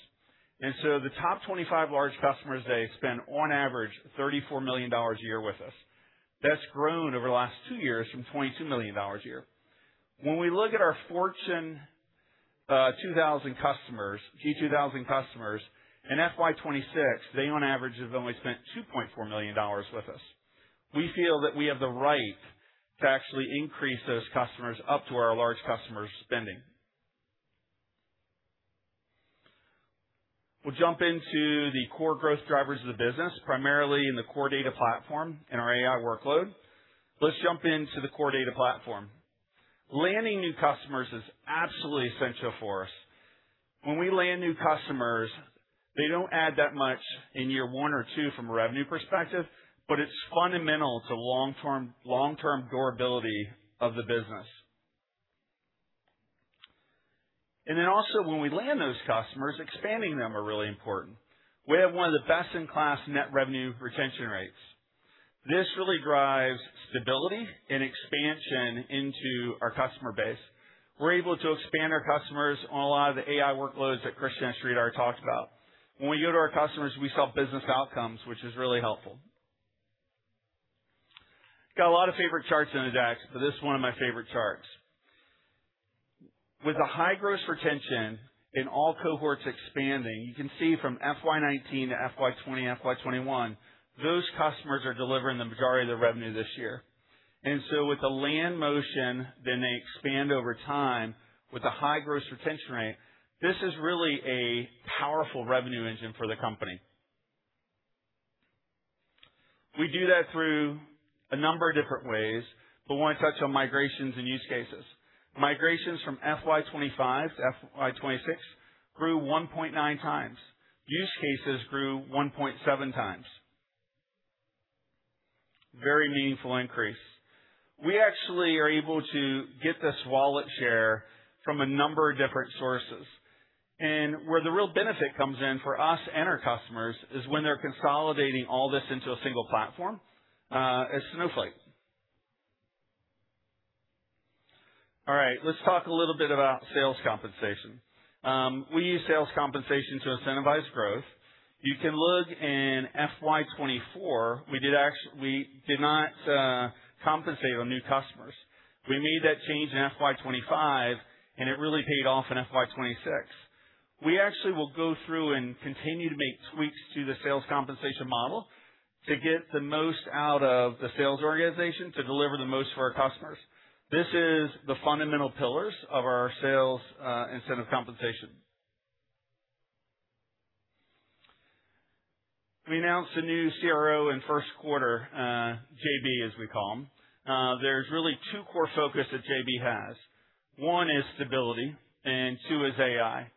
The top 25 large customers, they spend on average $34 million a year with us. That's grown over the last two years from $22 million a year. When we look at our Fortune 2000 customers, G2000 customers, in FY 2026, they on average have only spent $2.4 million with us. We feel that we have the right to actually increase those customers up to our large customers' spending. We'll jump into the core growth drivers of the business, primarily in the Core Data Platform and our AI workload. Let's jump into the Core Data Platform. Landing new customers is absolutely essential for us. When we land new customers, they don't add that much in year one or two from a revenue perspective, but it's fundamental to long-term durability of the business. When we land those customers, expanding them are really important. We have one of the best-in-class net revenue retention rates. This really drives stability and expansion into our customer base. We're able to expand our customers on a lot of the AI workloads that Christian and Sridhar talked about. When we go to our customers, we sell business outcomes, which is really helpful. I've got a lot of favorite charts in the deck. This is one of my favorite charts. With the high gross retention and all cohorts expanding, you can see from FY 2019 to FY 2020, FY 2021, those customers are delivering the majority of their revenue this year. With the land motion, they expand over time with a high gross retention rate. This is really a powerful revenue engine for the company. We do that through a number of different ways. I want to touch on migrations and use cases. Migrations from FY 2025 to FY 2026 grew 1.9 times. Use cases grew 1.7 times. Very meaningful increase. We actually are able to get this wallet share from a number of different sources. Where the real benefit comes in for us and our customers is when they're consolidating all this into a single platform at Snowflake. All right, let's talk a little bit about sales compensation. We use sales compensation to incentivize growth. You can look in FY 2024, we did not compensate on new customers. We made that change in FY 2025, it really paid off in FY 2026. We actually will go through and continue to make tweaks to the sales compensation model to get the most out of the sales organization to deliver the most for our customers. This is the fundamental pillars of our sales incentive compensation. We announced a new CRO in first quarter, JB, as we call him. There's really two core focus that JB has. One is stability, and two is AI.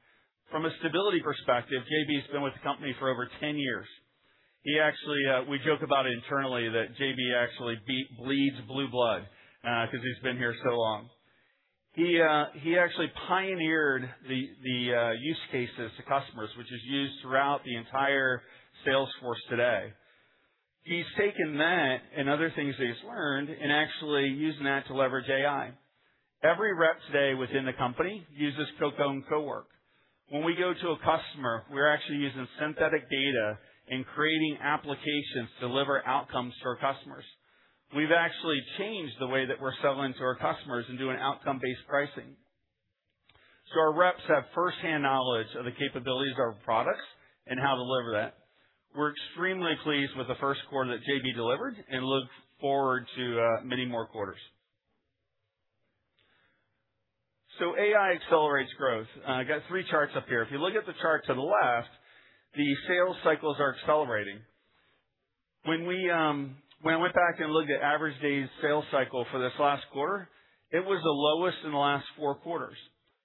From a stability perspective, JB's been with the company for over 10 years. We joke about it internally that JB actually bleeds blue blood, because he's been here so long. He actually pioneered the use cases to customers, which is used throughout the entire sales force today. He's taken that and other things that he's learned and actually using that to leverage AI. Every rep today within the company uses CoCo and CoWork. When we go to a customer, we're actually using synthetic data and creating applications to deliver outcomes for our customers. We've actually changed the way that we're selling to our customers and doing outcome-based pricing. Our reps have first-hand knowledge of the capabilities of our products and how to deliver that. We're extremely pleased with the first quarter that JB delivered and look forward to many more quarters. AI accelerates growth. I got three charts up here. If you look at the chart to the left, the sales cycles are accelerating. When I went back and looked at average days sales cycle for this last quarter, it was the lowest in the last four quarters.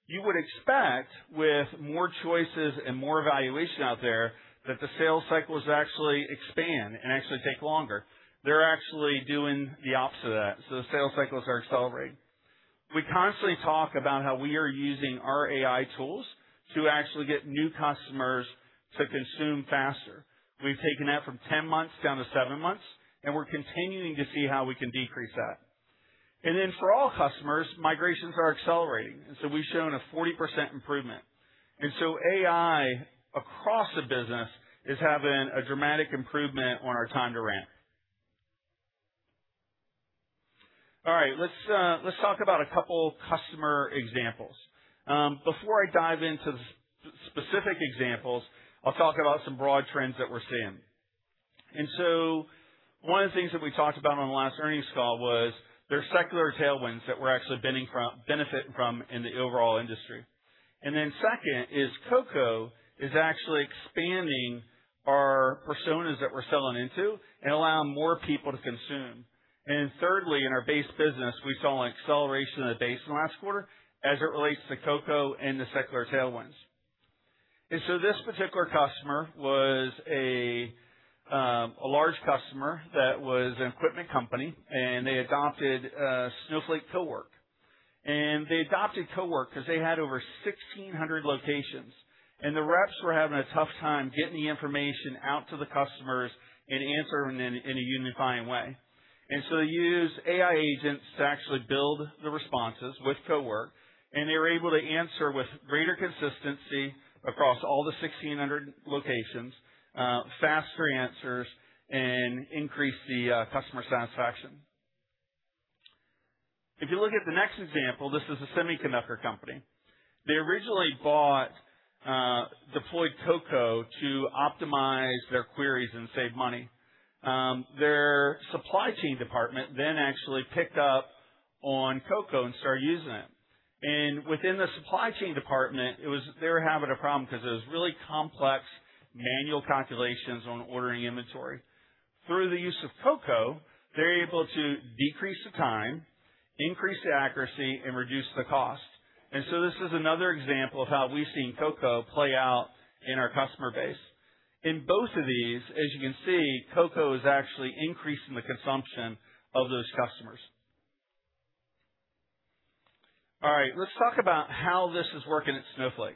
You would expect with more choices and more evaluation out there that the sales cycles actually expand and actually take longer. They're actually doing the opposite of that. The sales cycles are accelerating. We constantly talk about how we are using our AI tools to actually get new customers to consume faster. We've taken that from 10 months down to seven months, and we're continuing to see how we can decrease that. For all customers, migrations are accelerating. We've shown a 40% improvement. AI across the business is having a dramatic improvement on our time to ramp. Let's talk about a couple customer examples. Before I dive into specific examples, I'll talk about some broad trends that we're seeing. One of the things that we talked about on the last earnings call was there are secular tailwinds that we're actually benefiting from in the overall industry. Second is CoCo is actually expanding our personas that we're selling into and allowing more people to consume. Thirdly, in our base business, we saw an acceleration in the base in the last quarter as it relates to CoCo and the secular tailwinds. This particular customer was a large customer that was an equipment company, and they adopted Snowflake CoWork. They adopted CoWork because they had over 1,600 locations, and the reps were having a tough time getting the information out to the customers and answering them in a unifying way. They use AI agents to actually build the responses with CoWork, and they were able to answer with greater consistency across all the 1,600 locations, faster answers, and increase the customer satisfaction. If you look at the next example, this is a semiconductor company. They originally bought deployed CoCo to optimize their queries and save money. Their supply chain department then actually picked up on CoCo and started using it. Within the supply chain department, they were having a problem because it was really complex manual calculations on ordering inventory. Through the use of CoCo, they're able to decrease the time, increase the accuracy, and reduce the cost. This is another example of how we've seen CoCo play out in our customer base. In both of these, as you can see, CoCo is actually increasing the consumption of those customers. All right, let's talk about how this is working at Snowflake.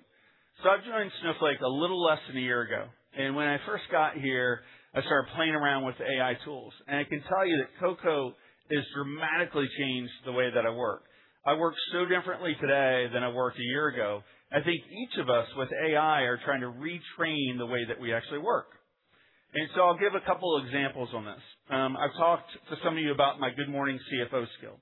I joined Snowflake a little less than a year ago, and when I first got here, I started playing around with AI tools. I can tell you that CoCo has dramatically changed the way that I work. I work so differently today than I worked a year ago. I think each of us with AI are trying to retrain the way that we actually work. I'll give a couple examples on this. I've talked to some of you about my Good Morning CFO skill.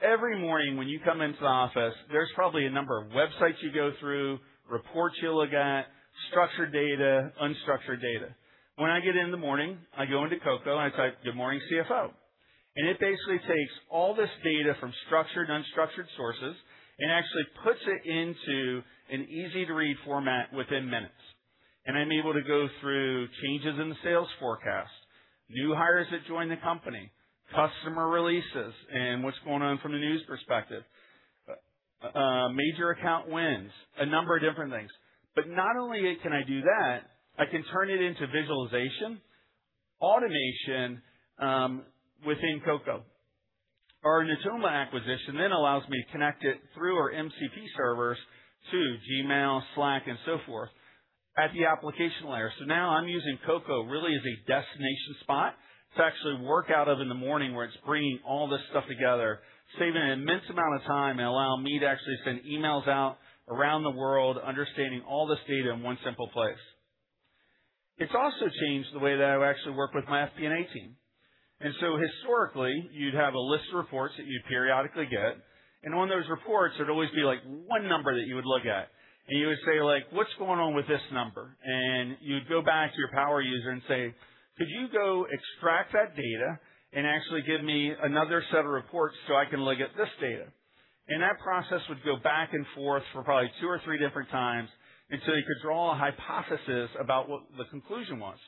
Every morning when you come into the office, there's probably a number of websites you go through, reports you look at, structured data, unstructured data. When I get in in the morning, I go into CoCo and I type Good Morning CFO. It basically takes all this data from structured and unstructured sources and actually puts it into an easy-to-read format within minutes. I'm able to go through changes in the sales forecast, new hires that join the company, customer releases, and what's going on from the news perspective, major account wins, a number of different things. Not only can I do that, I can turn it into visualization, automation, within CoCo. Our Natoma acquisition then allows me to connect it through our MCP servers to Gmail, Slack, and so forth at the application layer. Now I'm using CoCo really as a destination spot to actually work out of in the morning where it's bringing all this stuff together, saving an immense amount of time, and allowing me to actually send emails out around the world, understanding all this data in one simple place. It's also changed the way that I actually work with my FP&A team. Historically, you'd have a list of reports that you periodically get, and on those reports, there'd always be one number that you would look at, and you would say, "What's going on with this number?" You'd go back to your power user and say, "Could you go extract that data and actually give me another set of reports so I can look at this data?" That process would go back and forth for probably two or three different times until you could draw a hypothesis about what the conclusion was.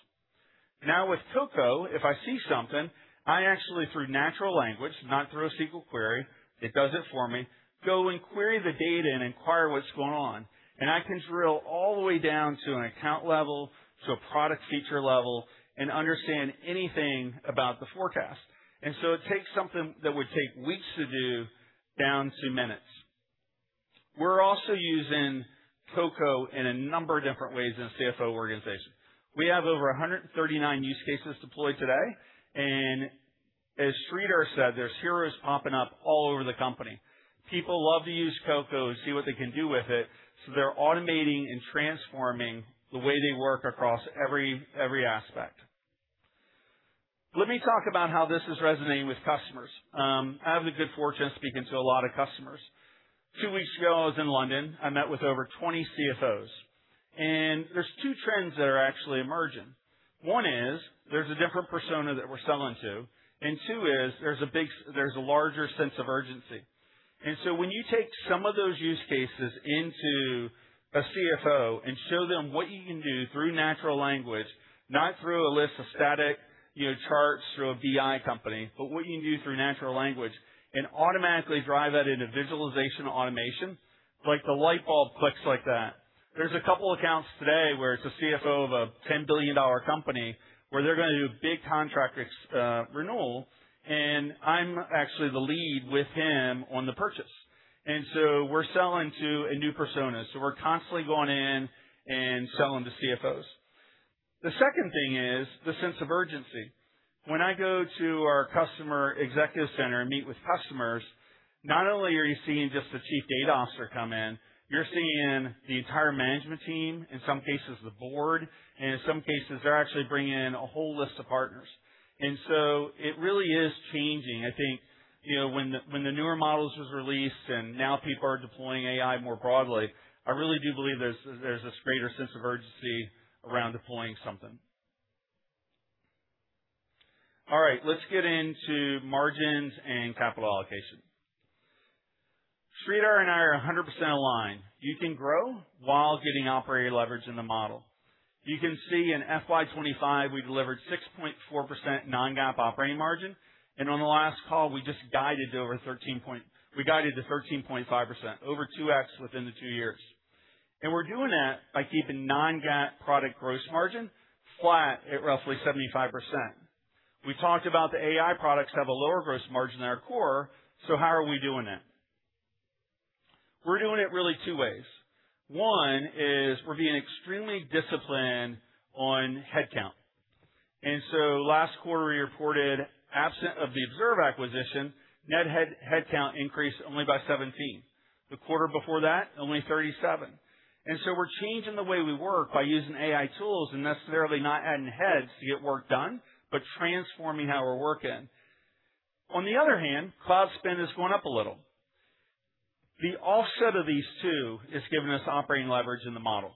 Now, with CoCo, if I see something, I actually, through natural language, not through a SQL query, it does it for me, go and query the data and inquire what's going on. I can drill all the way down to an account level, to a product feature level, and understand anything about the forecast. It takes something that would take weeks to do down to minutes. We're also using CoCo in a number of different ways in the CFO organization. We have over 139 use cases deployed today. As Sridhar said, there's heroes popping up all over the company. People love to use CoCo and see what they can do with it, so they're automating and transforming the way they work across every aspect. Let me talk about how this is resonating with customers. I have the good fortune of speaking to a lot of customers. Two weeks ago, I was in London. I met with over 20 CFOs. There's two trends that are actually emerging. One is there's a different persona that we're selling to, and two is there's a larger sense of urgency. When you take some of those use cases into a CFO and show them what you can do through natural language, not through a list of static charts through a BI company, but what you can do through natural language and automatically drive that into visualization automation, like the light bulb clicks like that. There's a couple accounts today where it's a CFO of a $10 billion company where they're going to do a big contract renewal, and I'm actually the lead with him on the purchase. We're selling to a new persona. We're constantly going in and selling to CFOs. The second thing is the sense of urgency. When I go to our customer executive center and meet with customers, not only are you seeing just the chief data officer come in, you're seeing the entire management team, in some cases the board, and in some cases, they're actually bringing in a whole list of partners. It really is changing. I think when the newer models was released and now people are deploying AI more broadly, I really do believe there's this greater sense of urgency around deploying something. All right. Let's get into margins and capital allocation. Sridhar and I are 100% aligned. You can grow while getting operating leverage in the model. You can see in FY 2025, we delivered 6.4% non-GAAP operating margin. On the last call, we just guided to over 13.5%, over 2x within the 2 years. We're doing that by keeping non-GAAP product gross margin flat at roughly 75%. We talked about the AI products have a lower gross margin than our core, how are we doing that? We're doing it really 2 ways. One is we're being extremely disciplined on headcount. Last quarter, we reported, absent of the Observe acquisition, net headcount increased only by 17. The quarter before that, only 37. We're changing the way we work by using AI tools and necessarily not adding heads to get work done, but transforming how we're working. On the other hand, cloud spend has gone up a little. The offset of these 2 is giving us operating leverage in the model.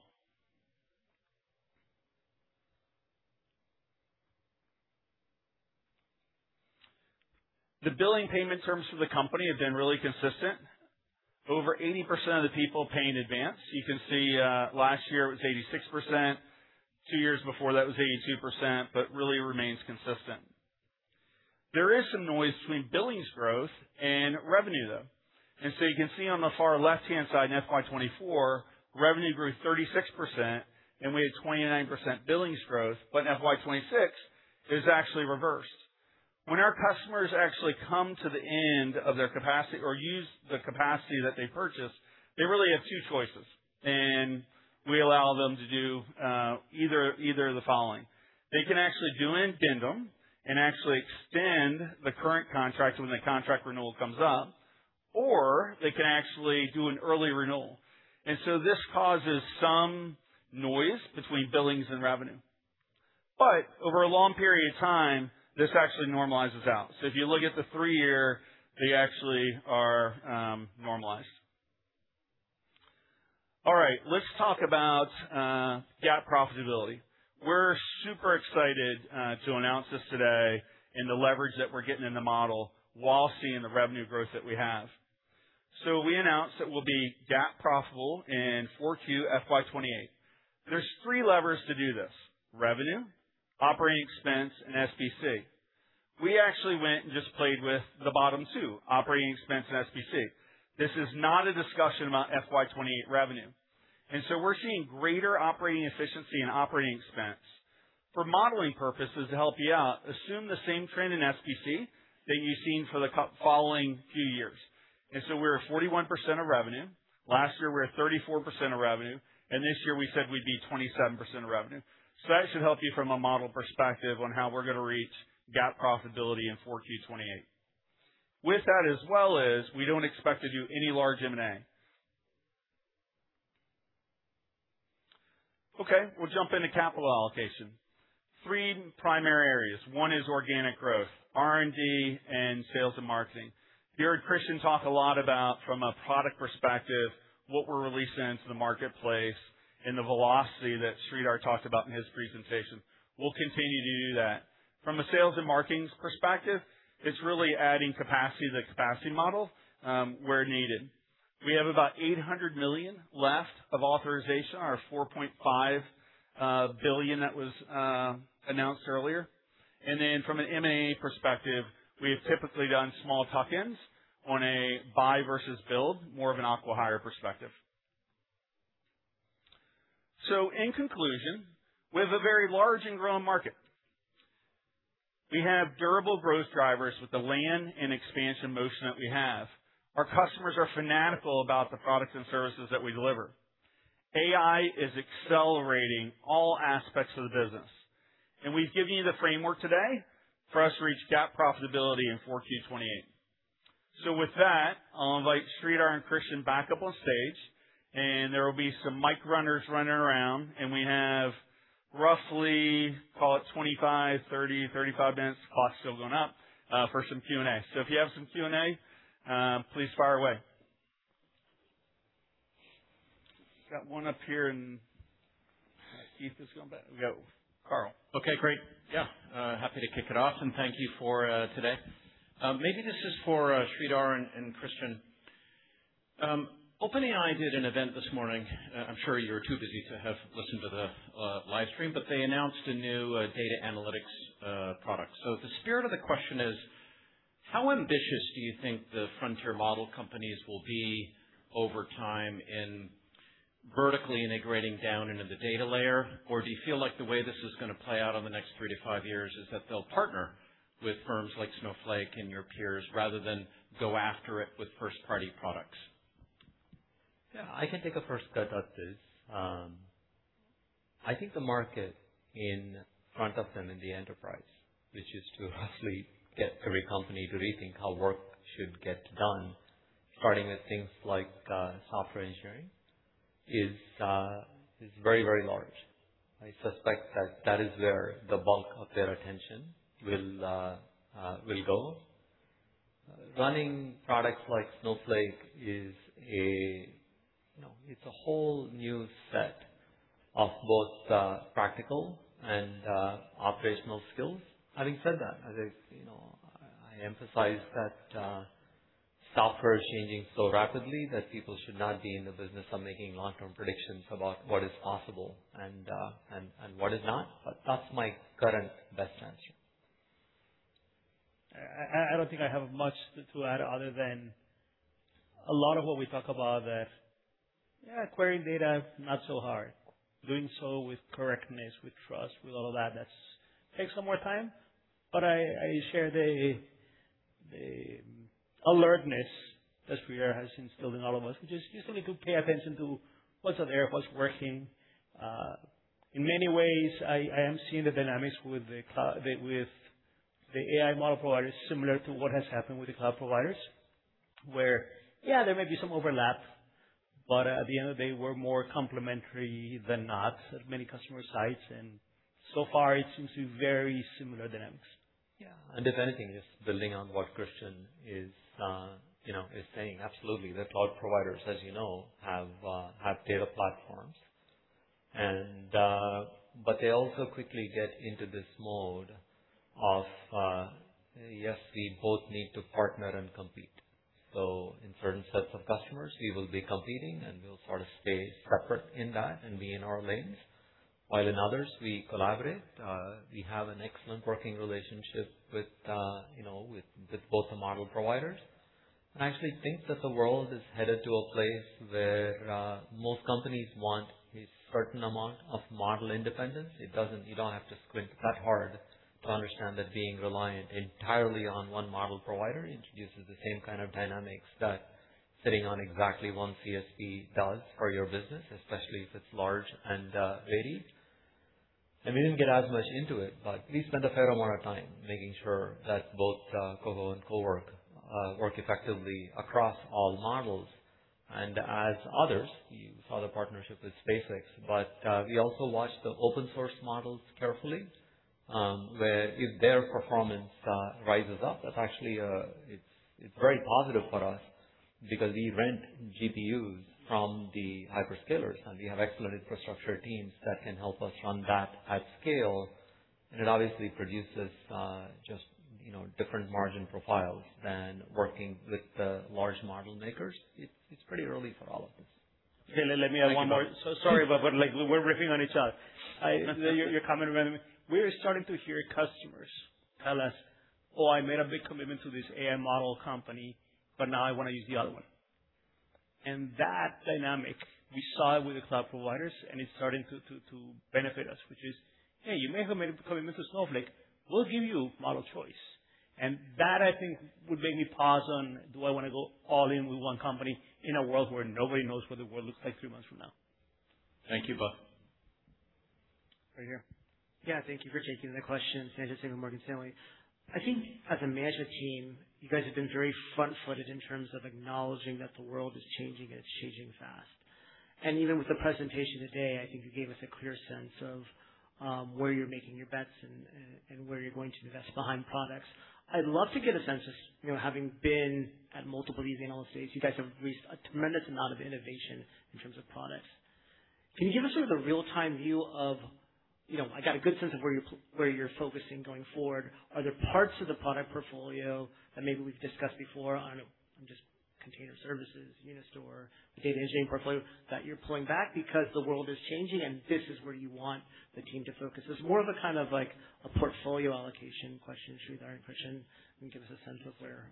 The billing payment terms for the company have been really consistent. Over 80% of the people pay in advance. You can see, last year it was 86%, two years before that was 82%, but really remains consistent. There is some noise between billings growth and revenue, though. You can see on the far left-hand side, in FY 2024, revenue grew 36% and we had 29% billings growth, but in FY 2026 it is actually reversed. When our customers actually come to the end of their capacity or use the capacity that they purchased, they really have two choices, and we allow them to do either of the following. They can actually do an addendum and actually extend the current contract when the contract renewal comes up, or they can actually do an early renewal. This causes some noise between billings and revenue. Over a long period of time, this actually normalizes out. If you look at the 3-year, they actually are normalized. All right, let's talk about GAAP profitability. We're super excited to announce this today, and the leverage that we're getting in the model while seeing the revenue growth that we have. We announced that we'll be GAAP profitable in 4Q FY 2028. There's 3 levers to do this: revenue, operating expense, and SBC. We actually went and just played with the bottom two, operating expense and SBC. This is not a discussion about FY 2028 revenue, we're seeing greater operating efficiency and operating expense. For modeling purposes, to help you out, assume the same trend in SBC that you've seen for the following few years. We're at 41% of revenue. Last year, we were at 34% of revenue, and this year we said we'd be 27% of revenue. That should help you from a model perspective on how we're going to reach GAAP profitability in 4Q28. With that as well is, we don't expect to do any large M&A. Okay, we'll jump into capital allocation. Three primary areas. One is organic growth, R&D, and sales and marketing. You heard Christian talk a lot about, from a product perspective, what we're releasing into the marketplace and the velocity that Sridhar talked about in his presentation. We'll continue to do that. From a sales and marketing perspective, it's really adding capacity to the capacity model, where needed. We have about $800 million left of authorization, our $4.5 billion that was announced earlier. From an M&A perspective, we have typically done small tuck-ins on a buy versus build, more of an acquihire perspective. In conclusion, we have a very large and growing market. We have durable growth drivers with the land and expansion motion that we have. Our customers are fanatical about the products and services that we deliver. AI is accelerating all aspects of the business, and we've given you the framework today for us to reach GAAP profitability in 4Q28. With that, I'll invite Sridhar and Christian back up on stage, and there will be some mic runners running around, and we have roughly, call it 25, 30, 35 minutes, clock's still going up, for some Q&A. If you have some Q&A, please fire away. Got one up here, and Keith is going back. We got Carl. Okay, great. Yeah. Happy to kick it off, and thank you for today. Maybe this is for Sridhar and Christian. OpenAI did an event this morning. I'm sure you were too busy to have listened to the livestream, but they announced a new data analytics product. The spirit of the question is, how ambitious do you think the frontier model companies will be over time in vertically integrating down into the data layer? Do you feel like the way this is going to play out on the next three to five years is that they'll partner with firms like Snowflake and your peers, rather than go after it with first-party products? Yeah, I can take a first cut at this. I think the market in front of them in the enterprise, which is to actually get every company to rethink how work should get done, starting with things like software engineering, is very large. I suspect that that is where the bulk of their attention will go. Running products like Snowflake is a whole new set of both practical and operational skills. Having said that, as I emphasized, that software is changing so rapidly that people should not be in the business of making long-term predictions about what is possible and what is not. That's my current best answer. I don't think I have much to add other than a lot of what we talk about that, yeah, querying data, not so hard. Doing so with correctness, with trust, with all of that takes some more time. I share the alertness that Sridhar has instilled in all of us, which is just simply to pay attention to what's out there, what's working. In many ways, I am seeing the dynamics with the cloud- The AI model provider is similar to what has happened with the cloud providers, where, yeah, there may be some overlap, but at the end of the day, we're more complementary than not at many customer sites, and so far it seems to be very similar dynamics. Yeah. If anything, just building on what Christian is saying, absolutely. The cloud providers, as you know, have data platforms. They also quickly get into this mode of, yes, we both need to partner and compete. In certain sets of customers, we will be competing, and we'll sort of stay separate in that and be in our lanes. While in others, we collaborate. We have an excellent working relationship with both the model providers. I actually think that the world is headed to a place where most companies want a certain amount of model independence. You don't have to squint that hard to understand that being reliant entirely on one model provider introduces the same kind of dynamics that sitting on exactly one CSP does for your business, especially if it's large and varied. We didn't get as much into it, but we spent a fair amount of time making sure that both CoCo and CoWork work effectively across all models. As others, you saw the partnership with SpaceX, but we also watch the open source models carefully, where if their performance rises up, that's actually very positive for us because we rent GPUs from the hyperscalers, and we have excellent infrastructure teams that can help us run that at scale. It obviously produces just different margin profiles than working with the large model makers. It's pretty early for all of us. Let me add one more. Sorry, but we're riffing on each other. Your comment reminded me. We're starting to hear customers tell us, "Oh, I made a big commitment to this AI model company, but now I want to use the other one." That dynamic we saw with the cloud providers, and it's starting to benefit us, which is, hey, you may have made a commitment to Snowflake. We'll give you model choice. That, I think, would make me pause on, do I want to go all in with one company in a world where nobody knows what the world looks like three months from now? Thank you both. Right here. Yeah. Thank you for taking the question. Sanjit Singh with Morgan Stanley. I think as a management team, you guys have been very front-footed in terms of acknowledging that the world is changing, and it's changing fast. Even with the presentation today, I think you gave us a clear sense of where you're making your bets and where you're going to invest behind products. I'd love to get a sense of, having been at multiple of these analyst days, you guys have reached a tremendous amount of innovation in terms of products. Can you give us sort of a real-time view? I got a good sense of where you're focusing going forward. Are there parts of the product portfolio that maybe we've discussed before on just container services, Unistore, the data engineering portfolio that you're pulling back because the world is changing and this is where you want the team to focus? It's more of a kind of like a portfolio allocation question, Sridhar and Christian, give us a sense of where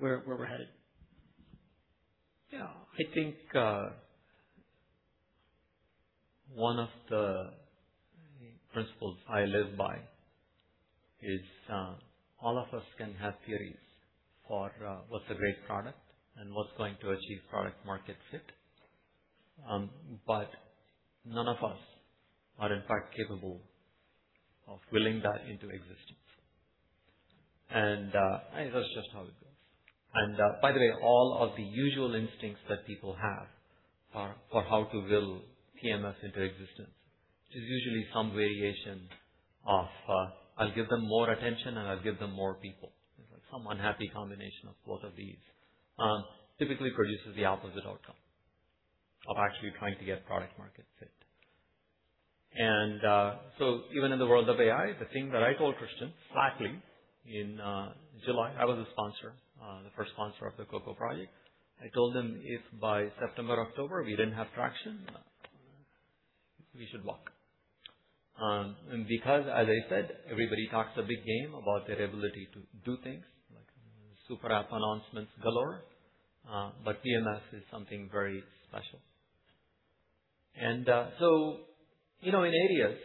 we're headed. Yeah. I think one of the principles I live by is all of us can have theories for what's a great product and what's going to achieve product-market fit. None of us are, in fact, capable of willing that into existence. That's just how it goes. By the way, all of the usual instincts that people have for how to will PMF into existence is usually some variation of, I'll give them more attention and I'll give them more people. Some unhappy combination of both of these typically produces the opposite outcome of actually trying to get product-market fit. Even in the world of AI, the thing that I told Christian flatly in July, I was the sponsor, the first sponsor of the CoCo project. I told him if by September, October, we didn't have traction, we should walk. Because, as I said, everybody talks a big game about their ability to do things, like super app announcements galore, but PMF is something very special. In areas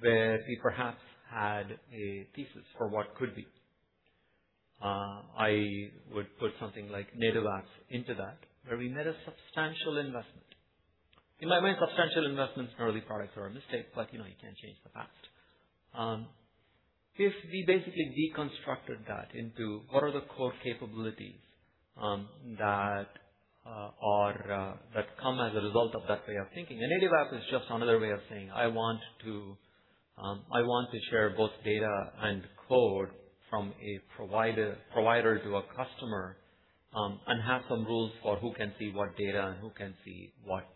where we perhaps had a thesis for what could be, I would put something like Native Apps into that, where we made a substantial investment. You might mind substantial investments in early products are a mistake, but you can't change the past. If we basically deconstructed that into what are the core capabilities that come as a result of that way of thinking. A Native App is just another way of saying, I want to share both data and code from a provider to a customer and have some rules for who can see what data and who can see what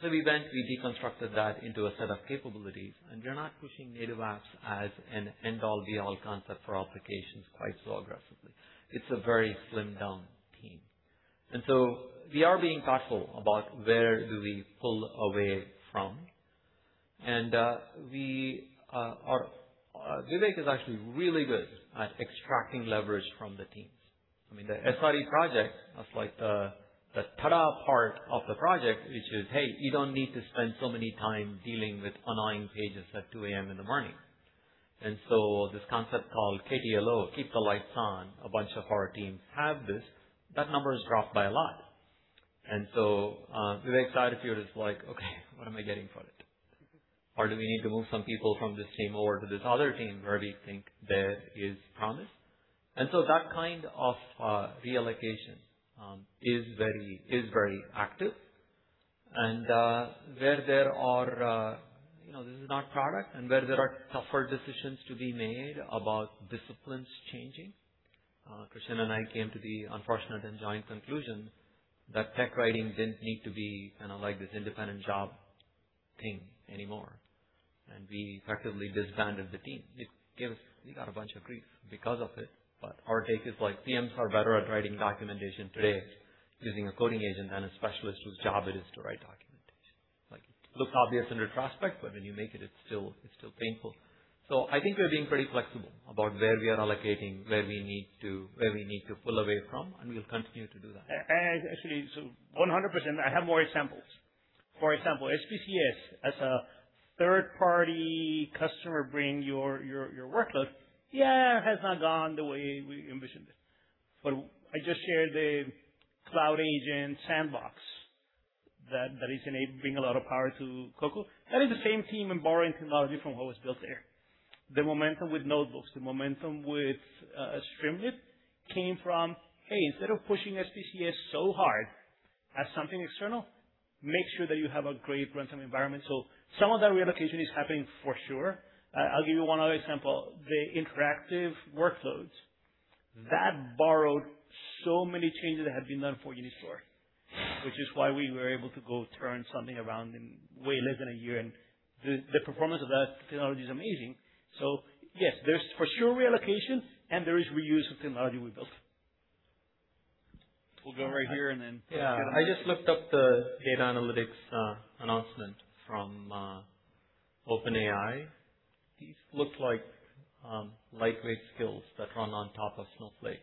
code. We deconstructed that into a set of capabilities, and we're not pushing Native Apps as an end-all, be-all concept for applications quite so aggressively. It's a very slimmed-down team. We are being thoughtful about where do we pull away from. Vivek is actually really good at extracting leverage from the teams. I mean, the SRE project, that's like the ta-da part of the project, which is, hey, you don't need to spend so much time dealing with annoying pages at 2:00 A.M. in the morning. This concept called KTLO, Keep the Lights On, a bunch of our teams have this. That number has dropped by a lot. What am I getting for it? Do we need to move some people from this team over to this other team where we think there is promise? That kind of reallocation is very active. This is not product, and where there are tougher decisions to be made about disciplines changing. Christian and I came to the unfortunate and joint conclusion that tech writing didn't need to be this independent job thing anymore. We effectively disbanded the team. We got a bunch of grief because of it. Our take is like, LLMs are better at writing documentation today using a coding agent than a specialist whose job it is to write documentation. It looks obvious in retrospect, but when you make it's still painful. I think we're being pretty flexible about where we are allocating, where we need to pull away from, and we'll continue to do that. Actually, 100%, I have more examples. For example, SPCS as a third-party customer bringing your workload, yeah, has not gone the way we envisioned it. I just shared the cloud agent sandbox that is enabling a lot of power to CoCo. That is the same team and borrowing technology from what was built there. The momentum with Notebooks, the momentum with Streamlit came from, hey, instead of pushing SPCS so hard as something external, make sure that you have a great runtime environment. Some of that reallocation is happening for sure. I'll give you one other example. The interactive workloads, that borrowed so many changes that had been done for Unistore, which is why we were able to go turn something around in way less than a year, and the performance of that technology is amazing. Yes, there's for sure reallocation, and there is reuse of technology we built. We'll go right here, and then- I just looked up the data analytics announcement from OpenAI. These look like lightweight skills that run on top of Snowflake.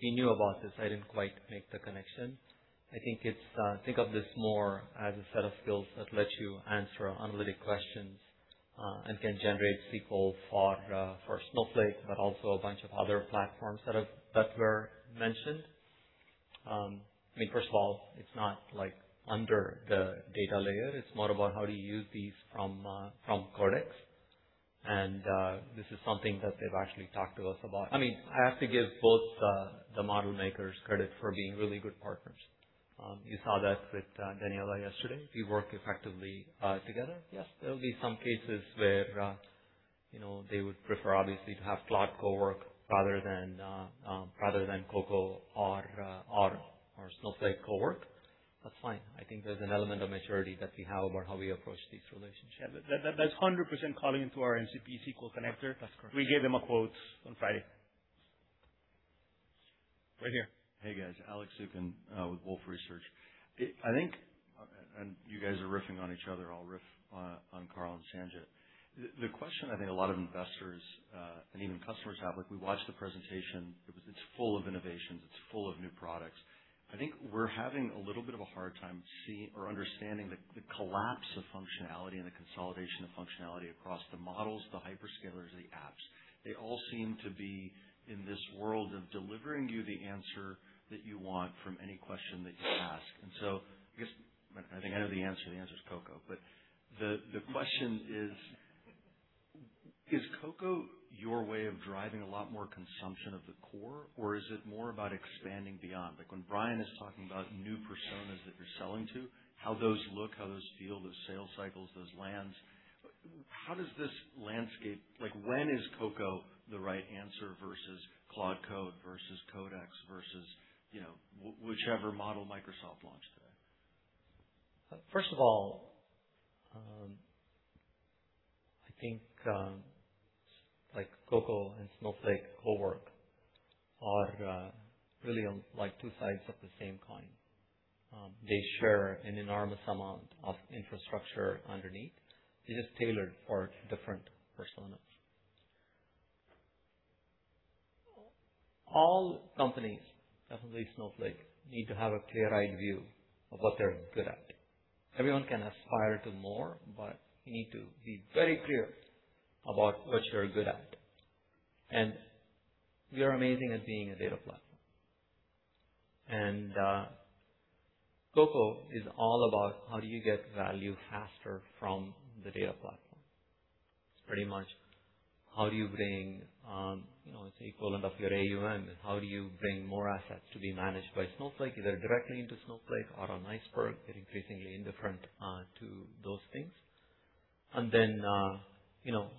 We knew about this. I didn't quite make the connection. I think of this more as a set of skills that let you answer analytic questions, and can generate SQL for Snowflake, but also a bunch of other platforms that were mentioned. First of all, it's not under the data layer. It's more about how do you use these from Cortex Code. This is something that they've actually talked to us about. I have to give both the model makers credit for being really good partners. You saw that with Daniela yesterday. We work effectively together. There will be some cases where they would prefer, obviously, to have Cloud Cowork rather than CoCo or Snowflake CoWork. That's fine. I think there's an element of maturity that we have about how we approach these relationships. Yeah. That's 100% calling into our MCP SQL connector. That's correct. We gave them a quote on Friday. Right here. Hey, guys. Alex Zukin with Wolfe Research. You guys are riffing on each other. I'll riff on Carl and Sanjit. The question I think a lot of investors, and even customers have. We watched the presentation. It's full of innovations. It's full of new products. I think we're having a little bit of a hard time seeing or understanding the collapse of functionality and the consolidation of functionality across the models, the hyperscalers, the apps. They all seem to be in this world of delivering you the answer that you want from any question that you ask. I guess, I think I know the answer. The answer is CoCo. The question is CoCo your way of driving a lot more consumption of the core, or is it more about expanding beyond? Like when Brian is talking about new personas that you're selling to, how those look, how those feel, those sales cycles, those lands. When is CoCo the right answer versus Cloud Code versus Codex versus whichever model Microsoft launched today? First of all, I think, CoCo and Snowflake CoWork are really two sides of the same coin. They share an enormous amount of infrastructure underneath. It is tailored for different personas. All companies, definitely Snowflake, need to have a clear-eyed view of what they're good at. Everyone can aspire to more, you need to be very clear about what you're good at. We are amazing at being a data platform. CoCo is all about how do you get value faster from the data platform. It's pretty much how do you bring, it's equivalent of your AUM. How do you bring more assets to be managed by Snowflake, either directly into Snowflake or on Iceberg, we're increasingly indifferent to those things.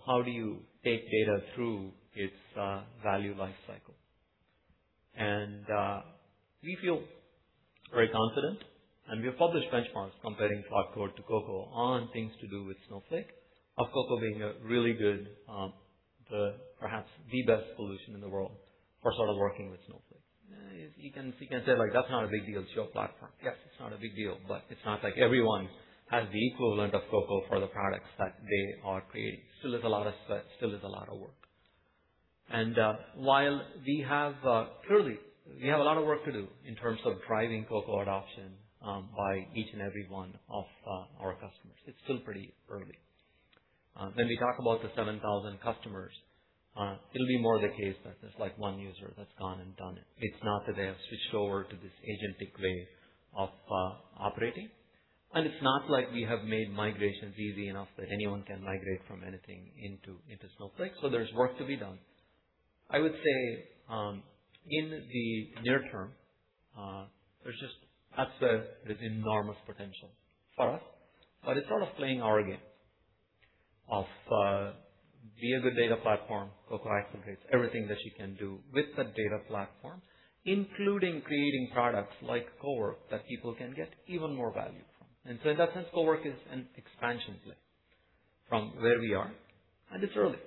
How do you take data through its value life cycle? We feel very confident, and we have published benchmarks comparing Cloud Code to CoCo on things to do with Snowflake, of CoCo being a really good, perhaps the best solution in the world for working with Snowflake. You can say, "That's not a big deal. It's your platform." Yes, it's not a big deal, but it's not like everyone has the equivalent of CoCo for the products that they are creating. Still is a lot of sweat, still is a lot of work. While we have a lot of work to do in terms of driving CoCo adoption by each and every one of our customers, it's still pretty early. When we talk about the 7,000 customers, it'll be more the case that there's one user that's gone and done it. It's not that they have switched over to this agentic way of operating, and it's not like we have made migrations easy enough that anyone can migrate from anything into Snowflake. There's work to be done. I would say, in the near term, there's just, that's where there's enormous potential for us, but it's sort of playing our game of be a good data platform, CoCo activates everything that you can do with that data platform, including creating products like CoWork that people can get even more value from. In that sense, CoWork is an expansion play from where we are. It's early.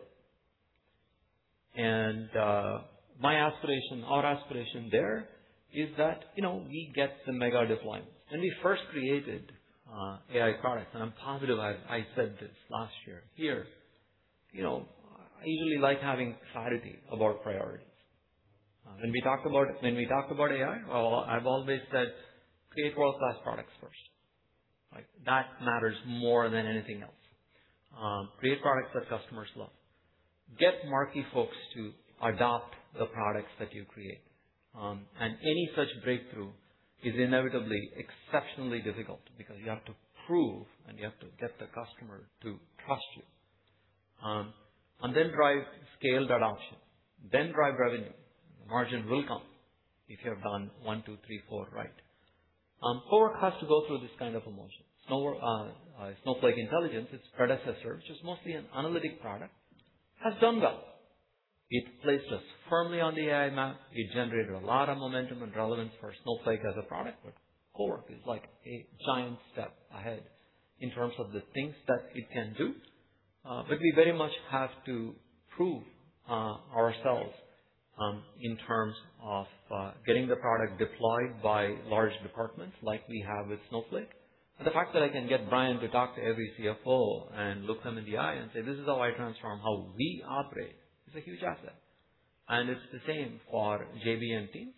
Our aspiration there is that we get some mega deployments. When we first created AI products, and I'm positive I said this last year here. I usually like having clarity about priorities. When we talk about AI, well, I've always said create world-class products first. That matters more than anything else. Create products that customers love. Get marquee folks to adopt the products that you create. Any such breakthrough is inevitably exceptionally difficult because you have to prove, and you have to get the customer to trust you. Then drive, scale that option, then drive revenue. Margin will come if you have done one, two, three, four right. CoWork has to go through this kind of a motion. Snowflake Intelligence, its predecessor, which is mostly an analytic product, has done well. It placed us firmly on the AI map. It generated a lot of momentum and relevance for Snowflake as a product, but CoWork is like a giant step ahead in terms of the things that it can do. We very much have to prove ourselves, in terms of getting the product deployed by large departments like we have with Snowflake. The fact that I can get Brian to talk to every CFO and look them in the eye and say, "This is how I transform how we operate," is a huge asset. It's the same for JBNT.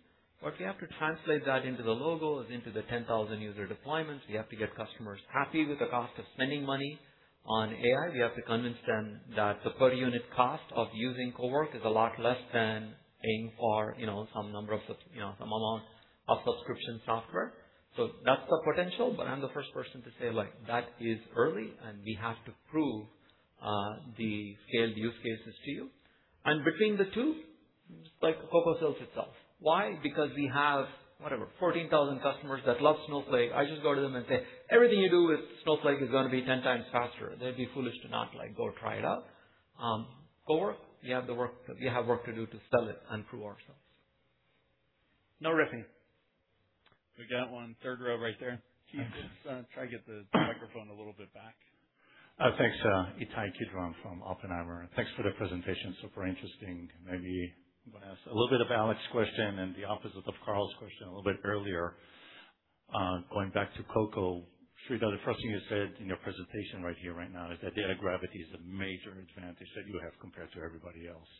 We have to translate that into the logos, into the 10,000-user deployments. We have to get customers happy with the cost of spending money on AI. We have to convince them that the per-unit cost of using CoWork is a lot less than paying for some amount of subscription software. That's the potential, but I'm the first person to say that is early, and we have to prove the scaled use cases to you. Between the two, CoCo sells itself. Why? We have, whatever, 14,000 customers that love Snowflake. I just go to them and say, "Everything you do with Snowflake is going to be 10 times faster." They'd be foolish to not go try it out. CoWork, we have work to do to sell it and prove ourselves. No riffing. We got one third row right there. Can you just try to get the microphone a little bit back? Thanks. Ittai Kidron from Oppenheimer. Thanks for the presentation. Super interesting. Maybe I'm going to ask a little bit of Alex's question and the opposite of Carl's question a little bit earlier. Going back to CoCo, Sridhar, the first thing you said in your presentation right here, right now, is that data gravity is a major advantage that you have compared to everybody else.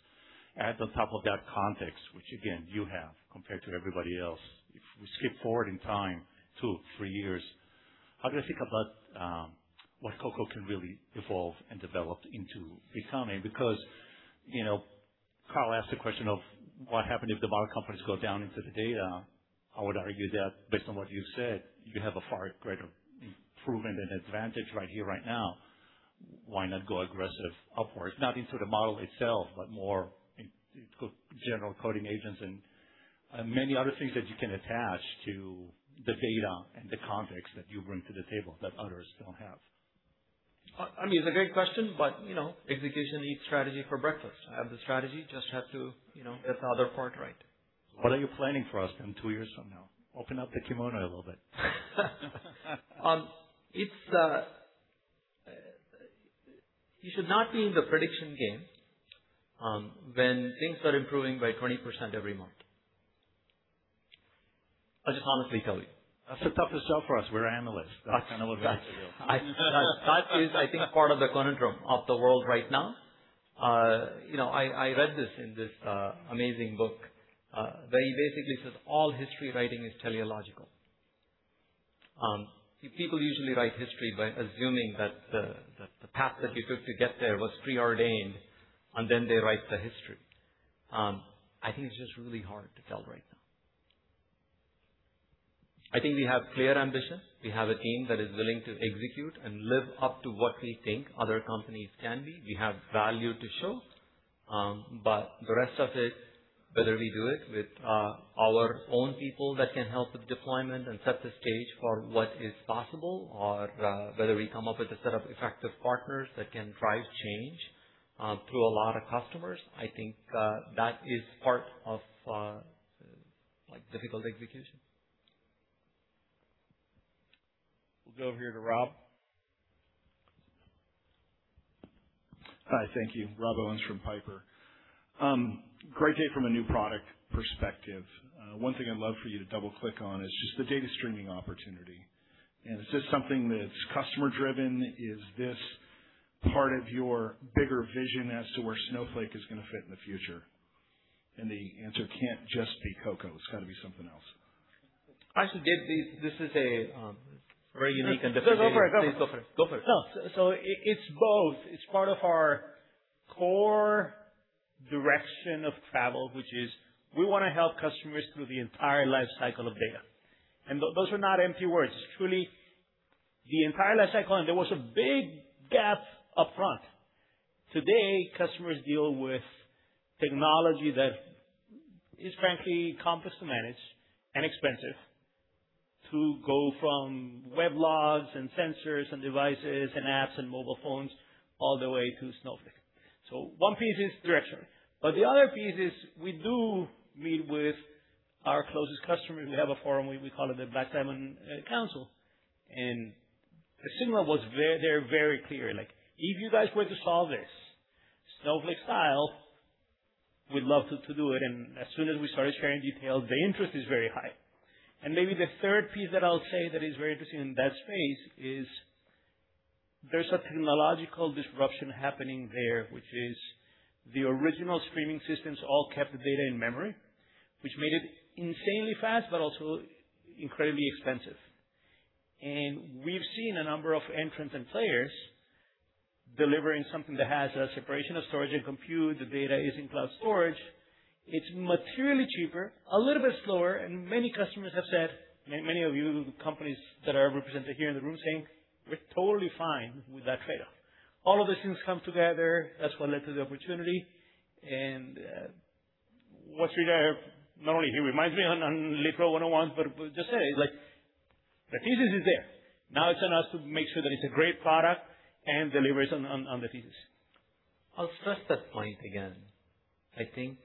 Add on top of that context, which again, you have compared to everybody else. If we skip forward in time two, three years, how do you think about what CoCo can really evolve and develop into becoming? Carl asked the question of what happened if the model companies go down into the data. I would argue that based on what you said, you have a far greater improvement and advantage right here, right now. Why not go aggressive upwards, not into the model itself, but more general coding agents and many other things that you can attach to the data and the context that you bring to the table that others don't have? It's a great question, but execution eats strategy for breakfast. I have the strategy, just have to get the other part right. What are you planning for us in two years from now? Open up the kimono a little bit. You should not be in the prediction game when things are improving by 20% every month. I'll just honestly tell you. That's tough to sell for us. We're analysts. That's kind of what we have to do. That is, I think, part of the conundrum of the world right now. I read this in this amazing book, where he basically says all history writing is teleological. People usually write history by assuming that the path that you took to get there was preordained, and then they write the history. I think it's just really hard to tell right now. I think we have clear ambition. We have a team that is willing to execute and live up to what we think other companies can be. We have value to show. The rest of it, whether we do it with our own people that can help with deployment and set the stage for what is possible or, whether we come up with a set of effective partners that can drive change through a lot of customers. I think that is part of difficult execution. We'll go over here to Rob. Hi. Thank you. Rob Owens from Piper. Great day from a new product perspective. One thing I'd love for you to double-click on is just the data streaming opportunity. Is this something that's customer-driven? Is this part of your bigger vision as to where Snowflake is going to fit in the future? The answer can't just be CoCo. It's got to be something else. Actually, Dave, this is a very unique and differentiated- Go for it. Please go for it. Go for it. It's both. It's part of our core direction of travel, which is we want to help customers through the entire life cycle of data. Those are not empty words. It's truly the entire life cycle, and there was a big gap upfront. Today, customers deal with technology that is frankly complex to manage and expensive to go from web logs and sensors and devices and apps and mobile phones all the way to Snowflake. One piece is direction, but the other piece is we do meet with our closest customers. We have a forum, we call it the Black Diamond Council, and the signal was they're very clear. If you guys were to solve this Snowflake style, we'd love to do it. As soon as we started sharing details, the interest is very high. Maybe the third piece that I'll say that is very interesting in that space is there's a technological disruption happening there, which is the original streaming systems all kept the data in memory, which made it insanely fast but also incredibly expensive. We've seen a number of entrants and players delivering something that has a separation of storage and compute. The data is in cloud storage. It's materially cheaper, a little bit slower, and many customers have said, many of you companies that are represented here in the room saying, "We're totally fine with that trade-off." All of those things come together. That's what led to the opportunity, and what Sridhar not only he reminds me on Lit Pro 101, but just say, the thesis is there. Now it's on us to make sure that it's a great product and delivers on the thesis. I'll stress that point again. I think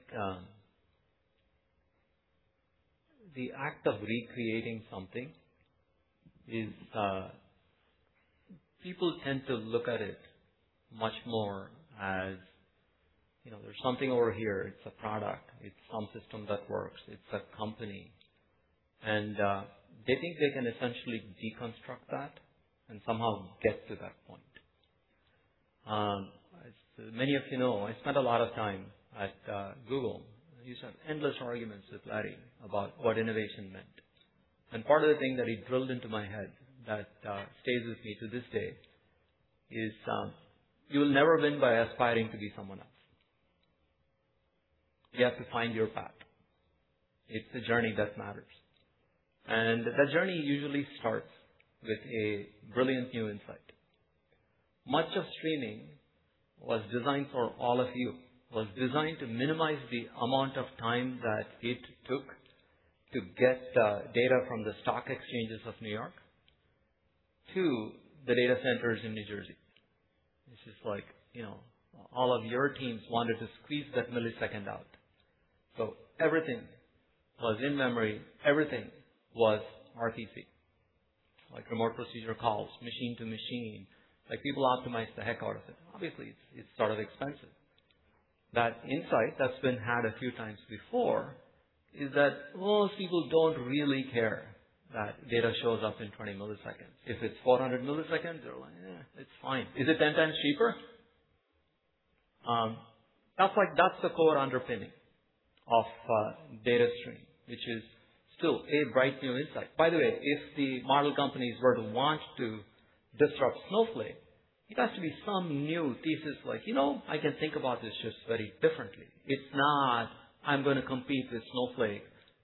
the act of recreating something is people tend to look at it much more as there's something over here, it's a product, it's some system that works, it's a company, and they think they can essentially deconstruct that and somehow get to that point. As many of you know, I spent a lot of time at Google. I used to have endless arguments with Larry about what innovation meant. Part of the thing that he drilled into my head that stays with me to this day is, you'll never win by aspiring to be someone else. You have to find your path. It's the journey that matters. That journey usually starts with a brilliant new insight. Much of streaming was designed for all of you, was designed to minimize the amount of time that it took to get the data from the stock exchanges of New York to the data centers in New Jersey. It's just like all of your teams wanted to squeeze that millisecond out. Everything was in memory, everything was RPC, remote procedure calls, machine to machine. People optimized the heck out of it. Obviously, it's sort of expensive. That insight that's been had a few times before is that most people don't really care that data shows up in 20 milliseconds. If it's 400 milliseconds, they're like, "Eh, it's fine." Is it 10 times cheaper? That's the core underpinning of data streaming, which is still a bright, new insight. By the way, if the model companies were to want to disrupt Snowflake, it has to be some new thesis like, "You know, I can think about this just very differently." It's not, I'm going to compete with Snowflake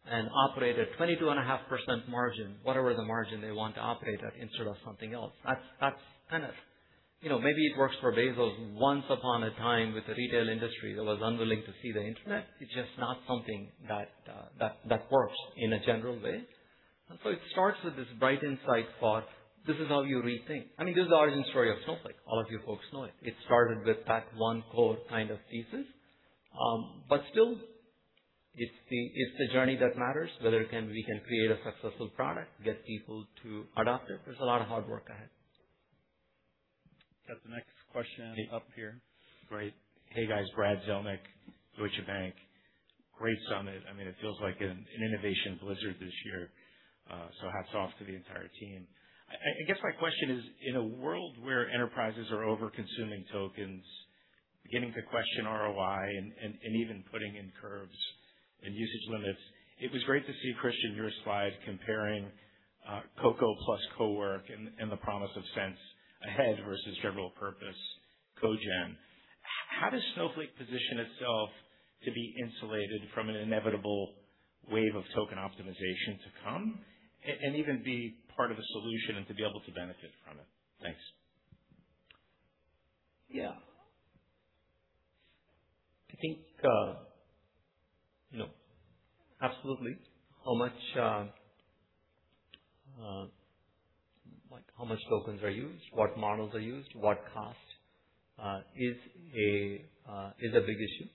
and operate at 22.5% margin, whatever the margin they want to operate at instead of something else. Maybe it works for Bezos, once upon a time with the retail industry that was unwilling to see the internet. It's just not something that works in a general way. It starts with this bright insight for this is how you rethink. This is the origin story of Snowflake. All of you folks know it. It started with that one core kind of thesis. Still, it's the journey that matters, whether we can create a successful product, get people to adopt it. There's a lot of hard work ahead. Got the next question up here. Great. Hey, guys. Brad Zelnick, Deutsche Bank. Great summit. It feels like an innovation blizzard this year, hats off to the entire team. I guess my question is, in a world where enterprises are over-consuming tokens, beginning to question ROI, and even putting in curbs and usage limits, it was great to see, Christian, your slide comparing CoCo plus CoWork and the promise of Sense ahead versus general-purpose code gen. How does Snowflake position itself to be insulated from an inevitable wave of token optimization to come, and even be part of a solution and to be able to benefit from it? Thanks. Yeah. I think absolutely how much tokens are used, what models are used, what cost is a big issue.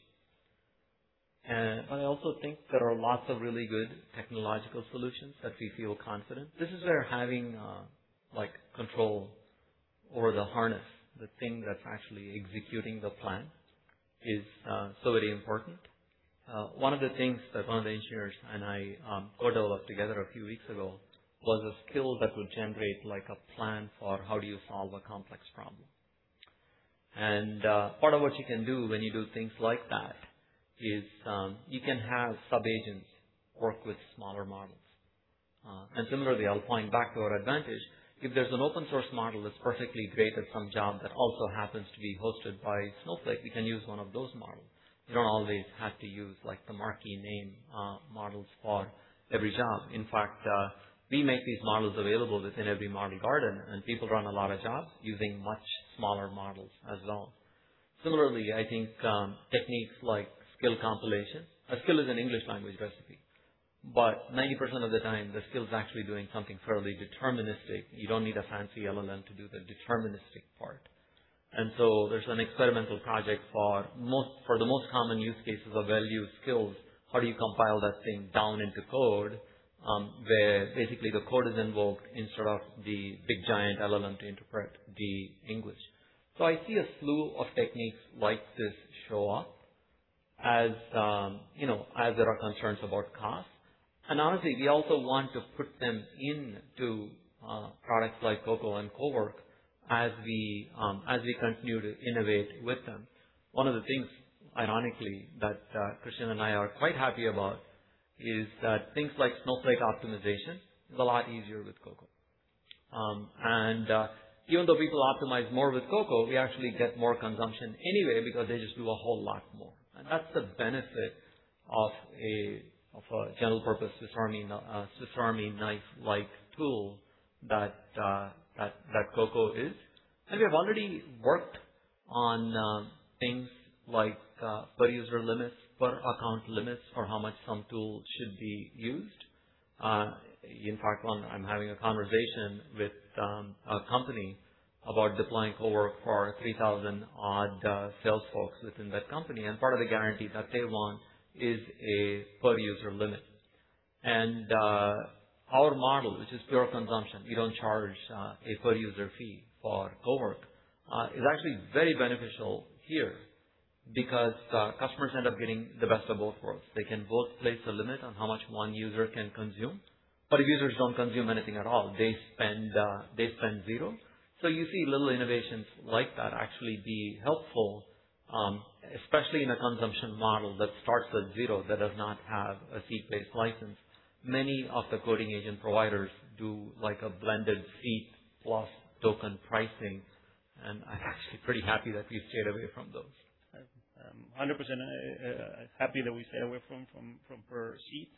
I also think there are lots of really good technological solutions that we feel confident. This is where having control over the harness, the thing that's actually executing the plan is so very important. One of the things that one of the engineers and I co-developed together a few weeks ago was a Skill that would generate a plan for how do you solve a complex problem. Part of what you can do when you do things like that is you can have sub-agents work with smaller models. Similarly, I'll point back to our advantage, if there's an open source model that's perfectly great at some job that also happens to be hosted by Snowflake, we can use one of those models. We don't always have to use the marquee name models for every job. In fact, we make these models available within every Model Garden, and people run a lot of jobs using much smaller models as well. Similarly, I think techniques like Skill compilation. A Skill is an English language recipe, but 90% of the time, the Skill is actually doing something fairly deterministic. You don't need a fancy LLM to do the deterministic part. There's an experimental project for the most common use cases of value Skills. How do you compile that thing down into code, where basically the code is invoked instead of the big giant LLM to interpret the English? I see a slew of techniques like this show up as there are concerns about cost. Honestly, we also want to put them into products like CoCo and CoWork as we continue to innovate with them. One of the things, ironically, that Christian and I are quite happy about is that things like Snowflake optimization is a lot easier with CoCo. Even though people optimize more with CoCo, we actually get more consumption anyway because they just do a whole lot more. That's the benefit of a general-purpose, Swiss Army knife-like tool that CoCo is. We have already worked on things like per-user limits, per-account limits for how much some tool should be used. In fact, I'm having a conversation with a company about deploying CoWork for 3,000-odd sales folks within that company, and part of the guarantee that they want is a per-user limit. Our model, which is pure consumption, we don't charge a per-user fee for CoWork, is actually very beneficial here because customers end up getting the best of both worlds. They can both place a limit on how much one user can consume, but if users don't consume anything at all, they spend 0. You see little innovations like that actually be helpful, especially in a consumption model that starts at 0, that does not have a seat-based license. Many of the coding agent providers do a blended seat plus token pricing, and I'm actually pretty happy that we've stayed away from those. I'm 100% happy that we stayed away from per seat.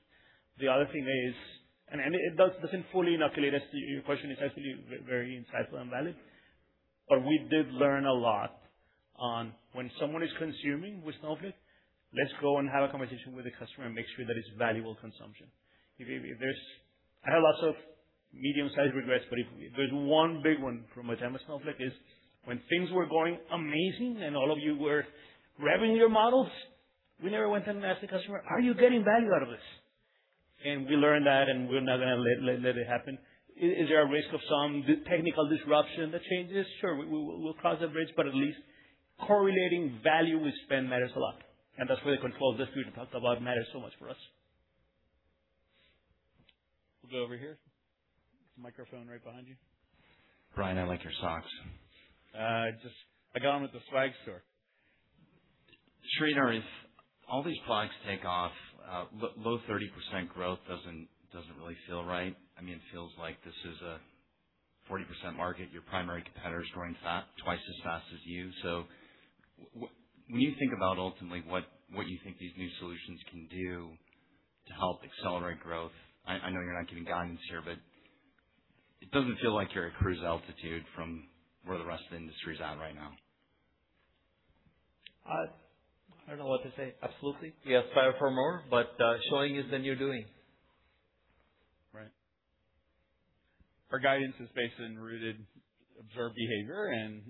The other thing is, it doesn't fully inoculate us to your question. It's actually very insightful and valid, we did learn a lot on when someone is consuming with Snowflake, let's go and have a conversation with the customer and make sure that it's valuable consumption. I have lots of medium-sized regrets, if there's one big one from my time at Snowflake is when things were going amazing and all of you were revving your models, we never went and asked the customer, "Are you getting value out of this?" We learned that, we're not going to let it happen. Is there a risk of some technical disruption that changes? Sure. We'll cross that bridge, at least correlating value with spend matters a lot. That's why the controls that Sridhar talked about matter so much for us. We'll go over here. There's a microphone right behind you. Brian, I like your socks. I got them at the swag store. Sridhar, if all these products take off, low 30% growth doesn't really feel right. It feels like this is a 40% market. Your primary competitor is growing twice as fast as you. When you think about ultimately what you think these new solutions can do to help accelerate growth, I know you're not giving guidance here, it doesn't feel like you're at cruise altitude from where the rest of the industry is at right now. I don't know what to say. Absolutely. We aspire for more, but showing is the new doing. Right. Our guidance is based on rooted observed behavior, and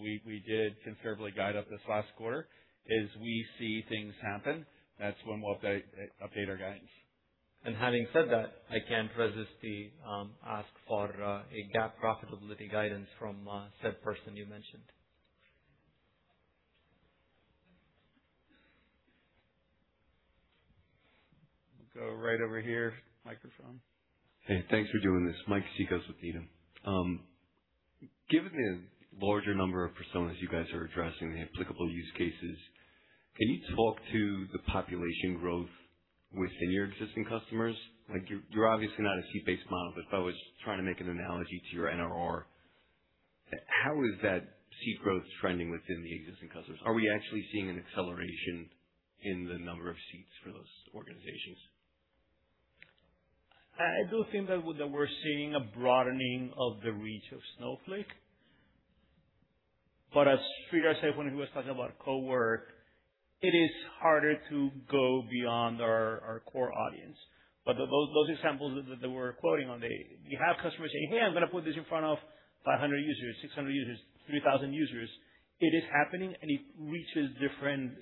we did considerably guide up this last quarter. As we see things happen, that's when we'll update our guidance. Having said that, I can't resist the ask for a GAAP profitability guidance from said person you mentioned. We'll go right over here. Microphone. Hey, thanks for doing this. Mike Cikos with Needham & Company. Given the larger number of personas you guys are addressing, the applicable use cases, can you talk to the population growth within your existing customers? You're obviously not a seat-based model, but if I was trying to make an analogy to your NRR, how is that seat growth trending within the existing customers? Are we actually seeing an acceleration in the number of seats for those organizations? I do think that we're seeing a broadening of the reach of Snowflake. As Sridhar said when he was talking about CoWork, it is harder to go beyond our core audience. Those examples that we're quoting on, you have customers saying, "Hey, I'm going to put this in front of 500 users, 600 users, 3,000 users." It is happening, and it reaches different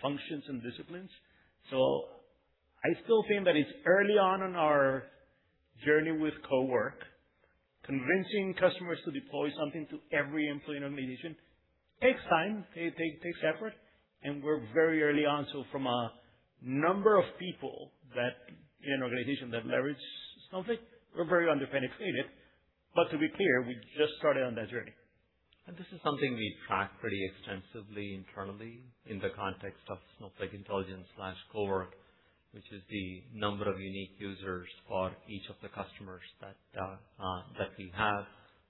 functions and disciplines. I still think that it's early on in our journey with CoWork. Convincing customers to deploy something to every employee in an organization takes time, takes effort, and we're very early on. From a number of people in an organization that leverage- Snowflake. We're very under-penetrated. To be clear, we just started on that journey. This is something we track pretty extensively internally in the context of Snowflake CoWork, which is the number of unique users for each of the customers that we have.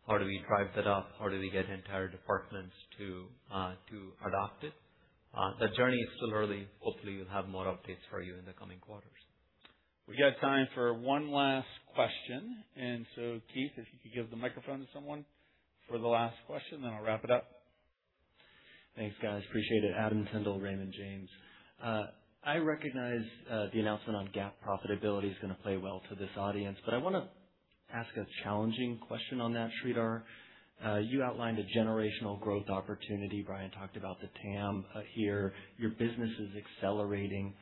How do we drive that up? How do we get entire departments to adopt it? That journey is still early. Hopefully, we'll have more updates for you in the coming quarters. We've got time for one last question. Keith, if you could give the microphone to someone for the last question, then I'll wrap it up. Thanks, guys. Appreciate it. Adam Tindle, Raymond James. I recognize the announcement on GAAP profitability is going to play well to this audience, but I want to ask a challenging question on that, Sridhar. You outlined a generational growth opportunity. Brian talked about the TAM here. Your business is accelerating.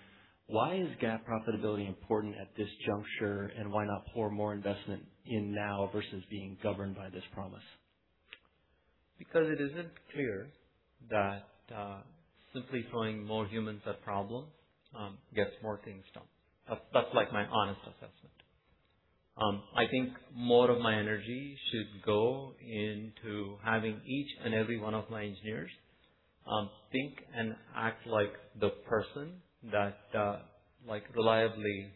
Why is GAAP profitability important at this juncture, and why not pour more investment in now versus being governed by this promise? It isn't clear that simply throwing more humans at problems gets more things done. That's my honest assessment. I think more of my energy should go into having each and every one of my engineers think and act like the person that reliably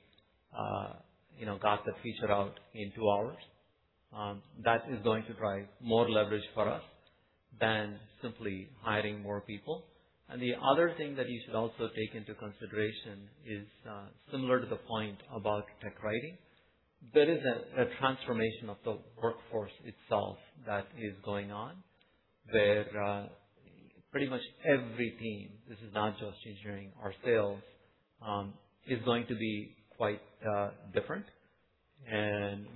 got the feature out in two hours. That is going to drive more leverage for us than simply hiring more people. The other thing that you should also take into consideration is, similar to the point about tech writing, there is a transformation of the workforce itself that is going on, where pretty much every team, this is not just engineering or sales, is going to be quite different.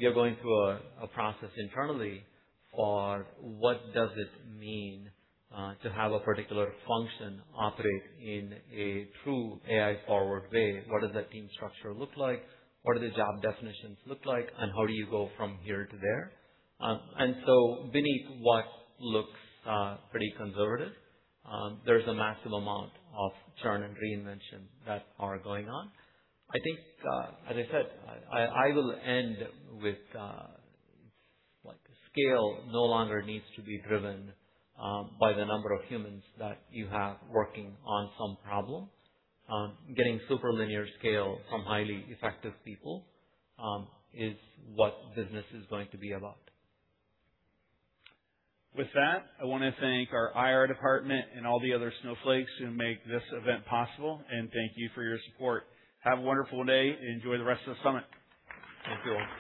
We are going through a process internally for what does it mean to have a particular function operate in a true AI-forward way? What does that team structure look like? What do the job definitions look like, and how do you go from here to there? Beneath what looks pretty conservative, there's a massive amount of churn and reinvention that are going on. I think, as I said, I will end with scale no longer needs to be driven by the number of humans that you have working on some problem. Getting super linear scale from highly effective people is what business is going to be about. With that, I want to thank our IR department and all the other Snowflakes who make this event possible. Thank you for your support. Have a wonderful day. Enjoy the rest of the Summit. Thank you all.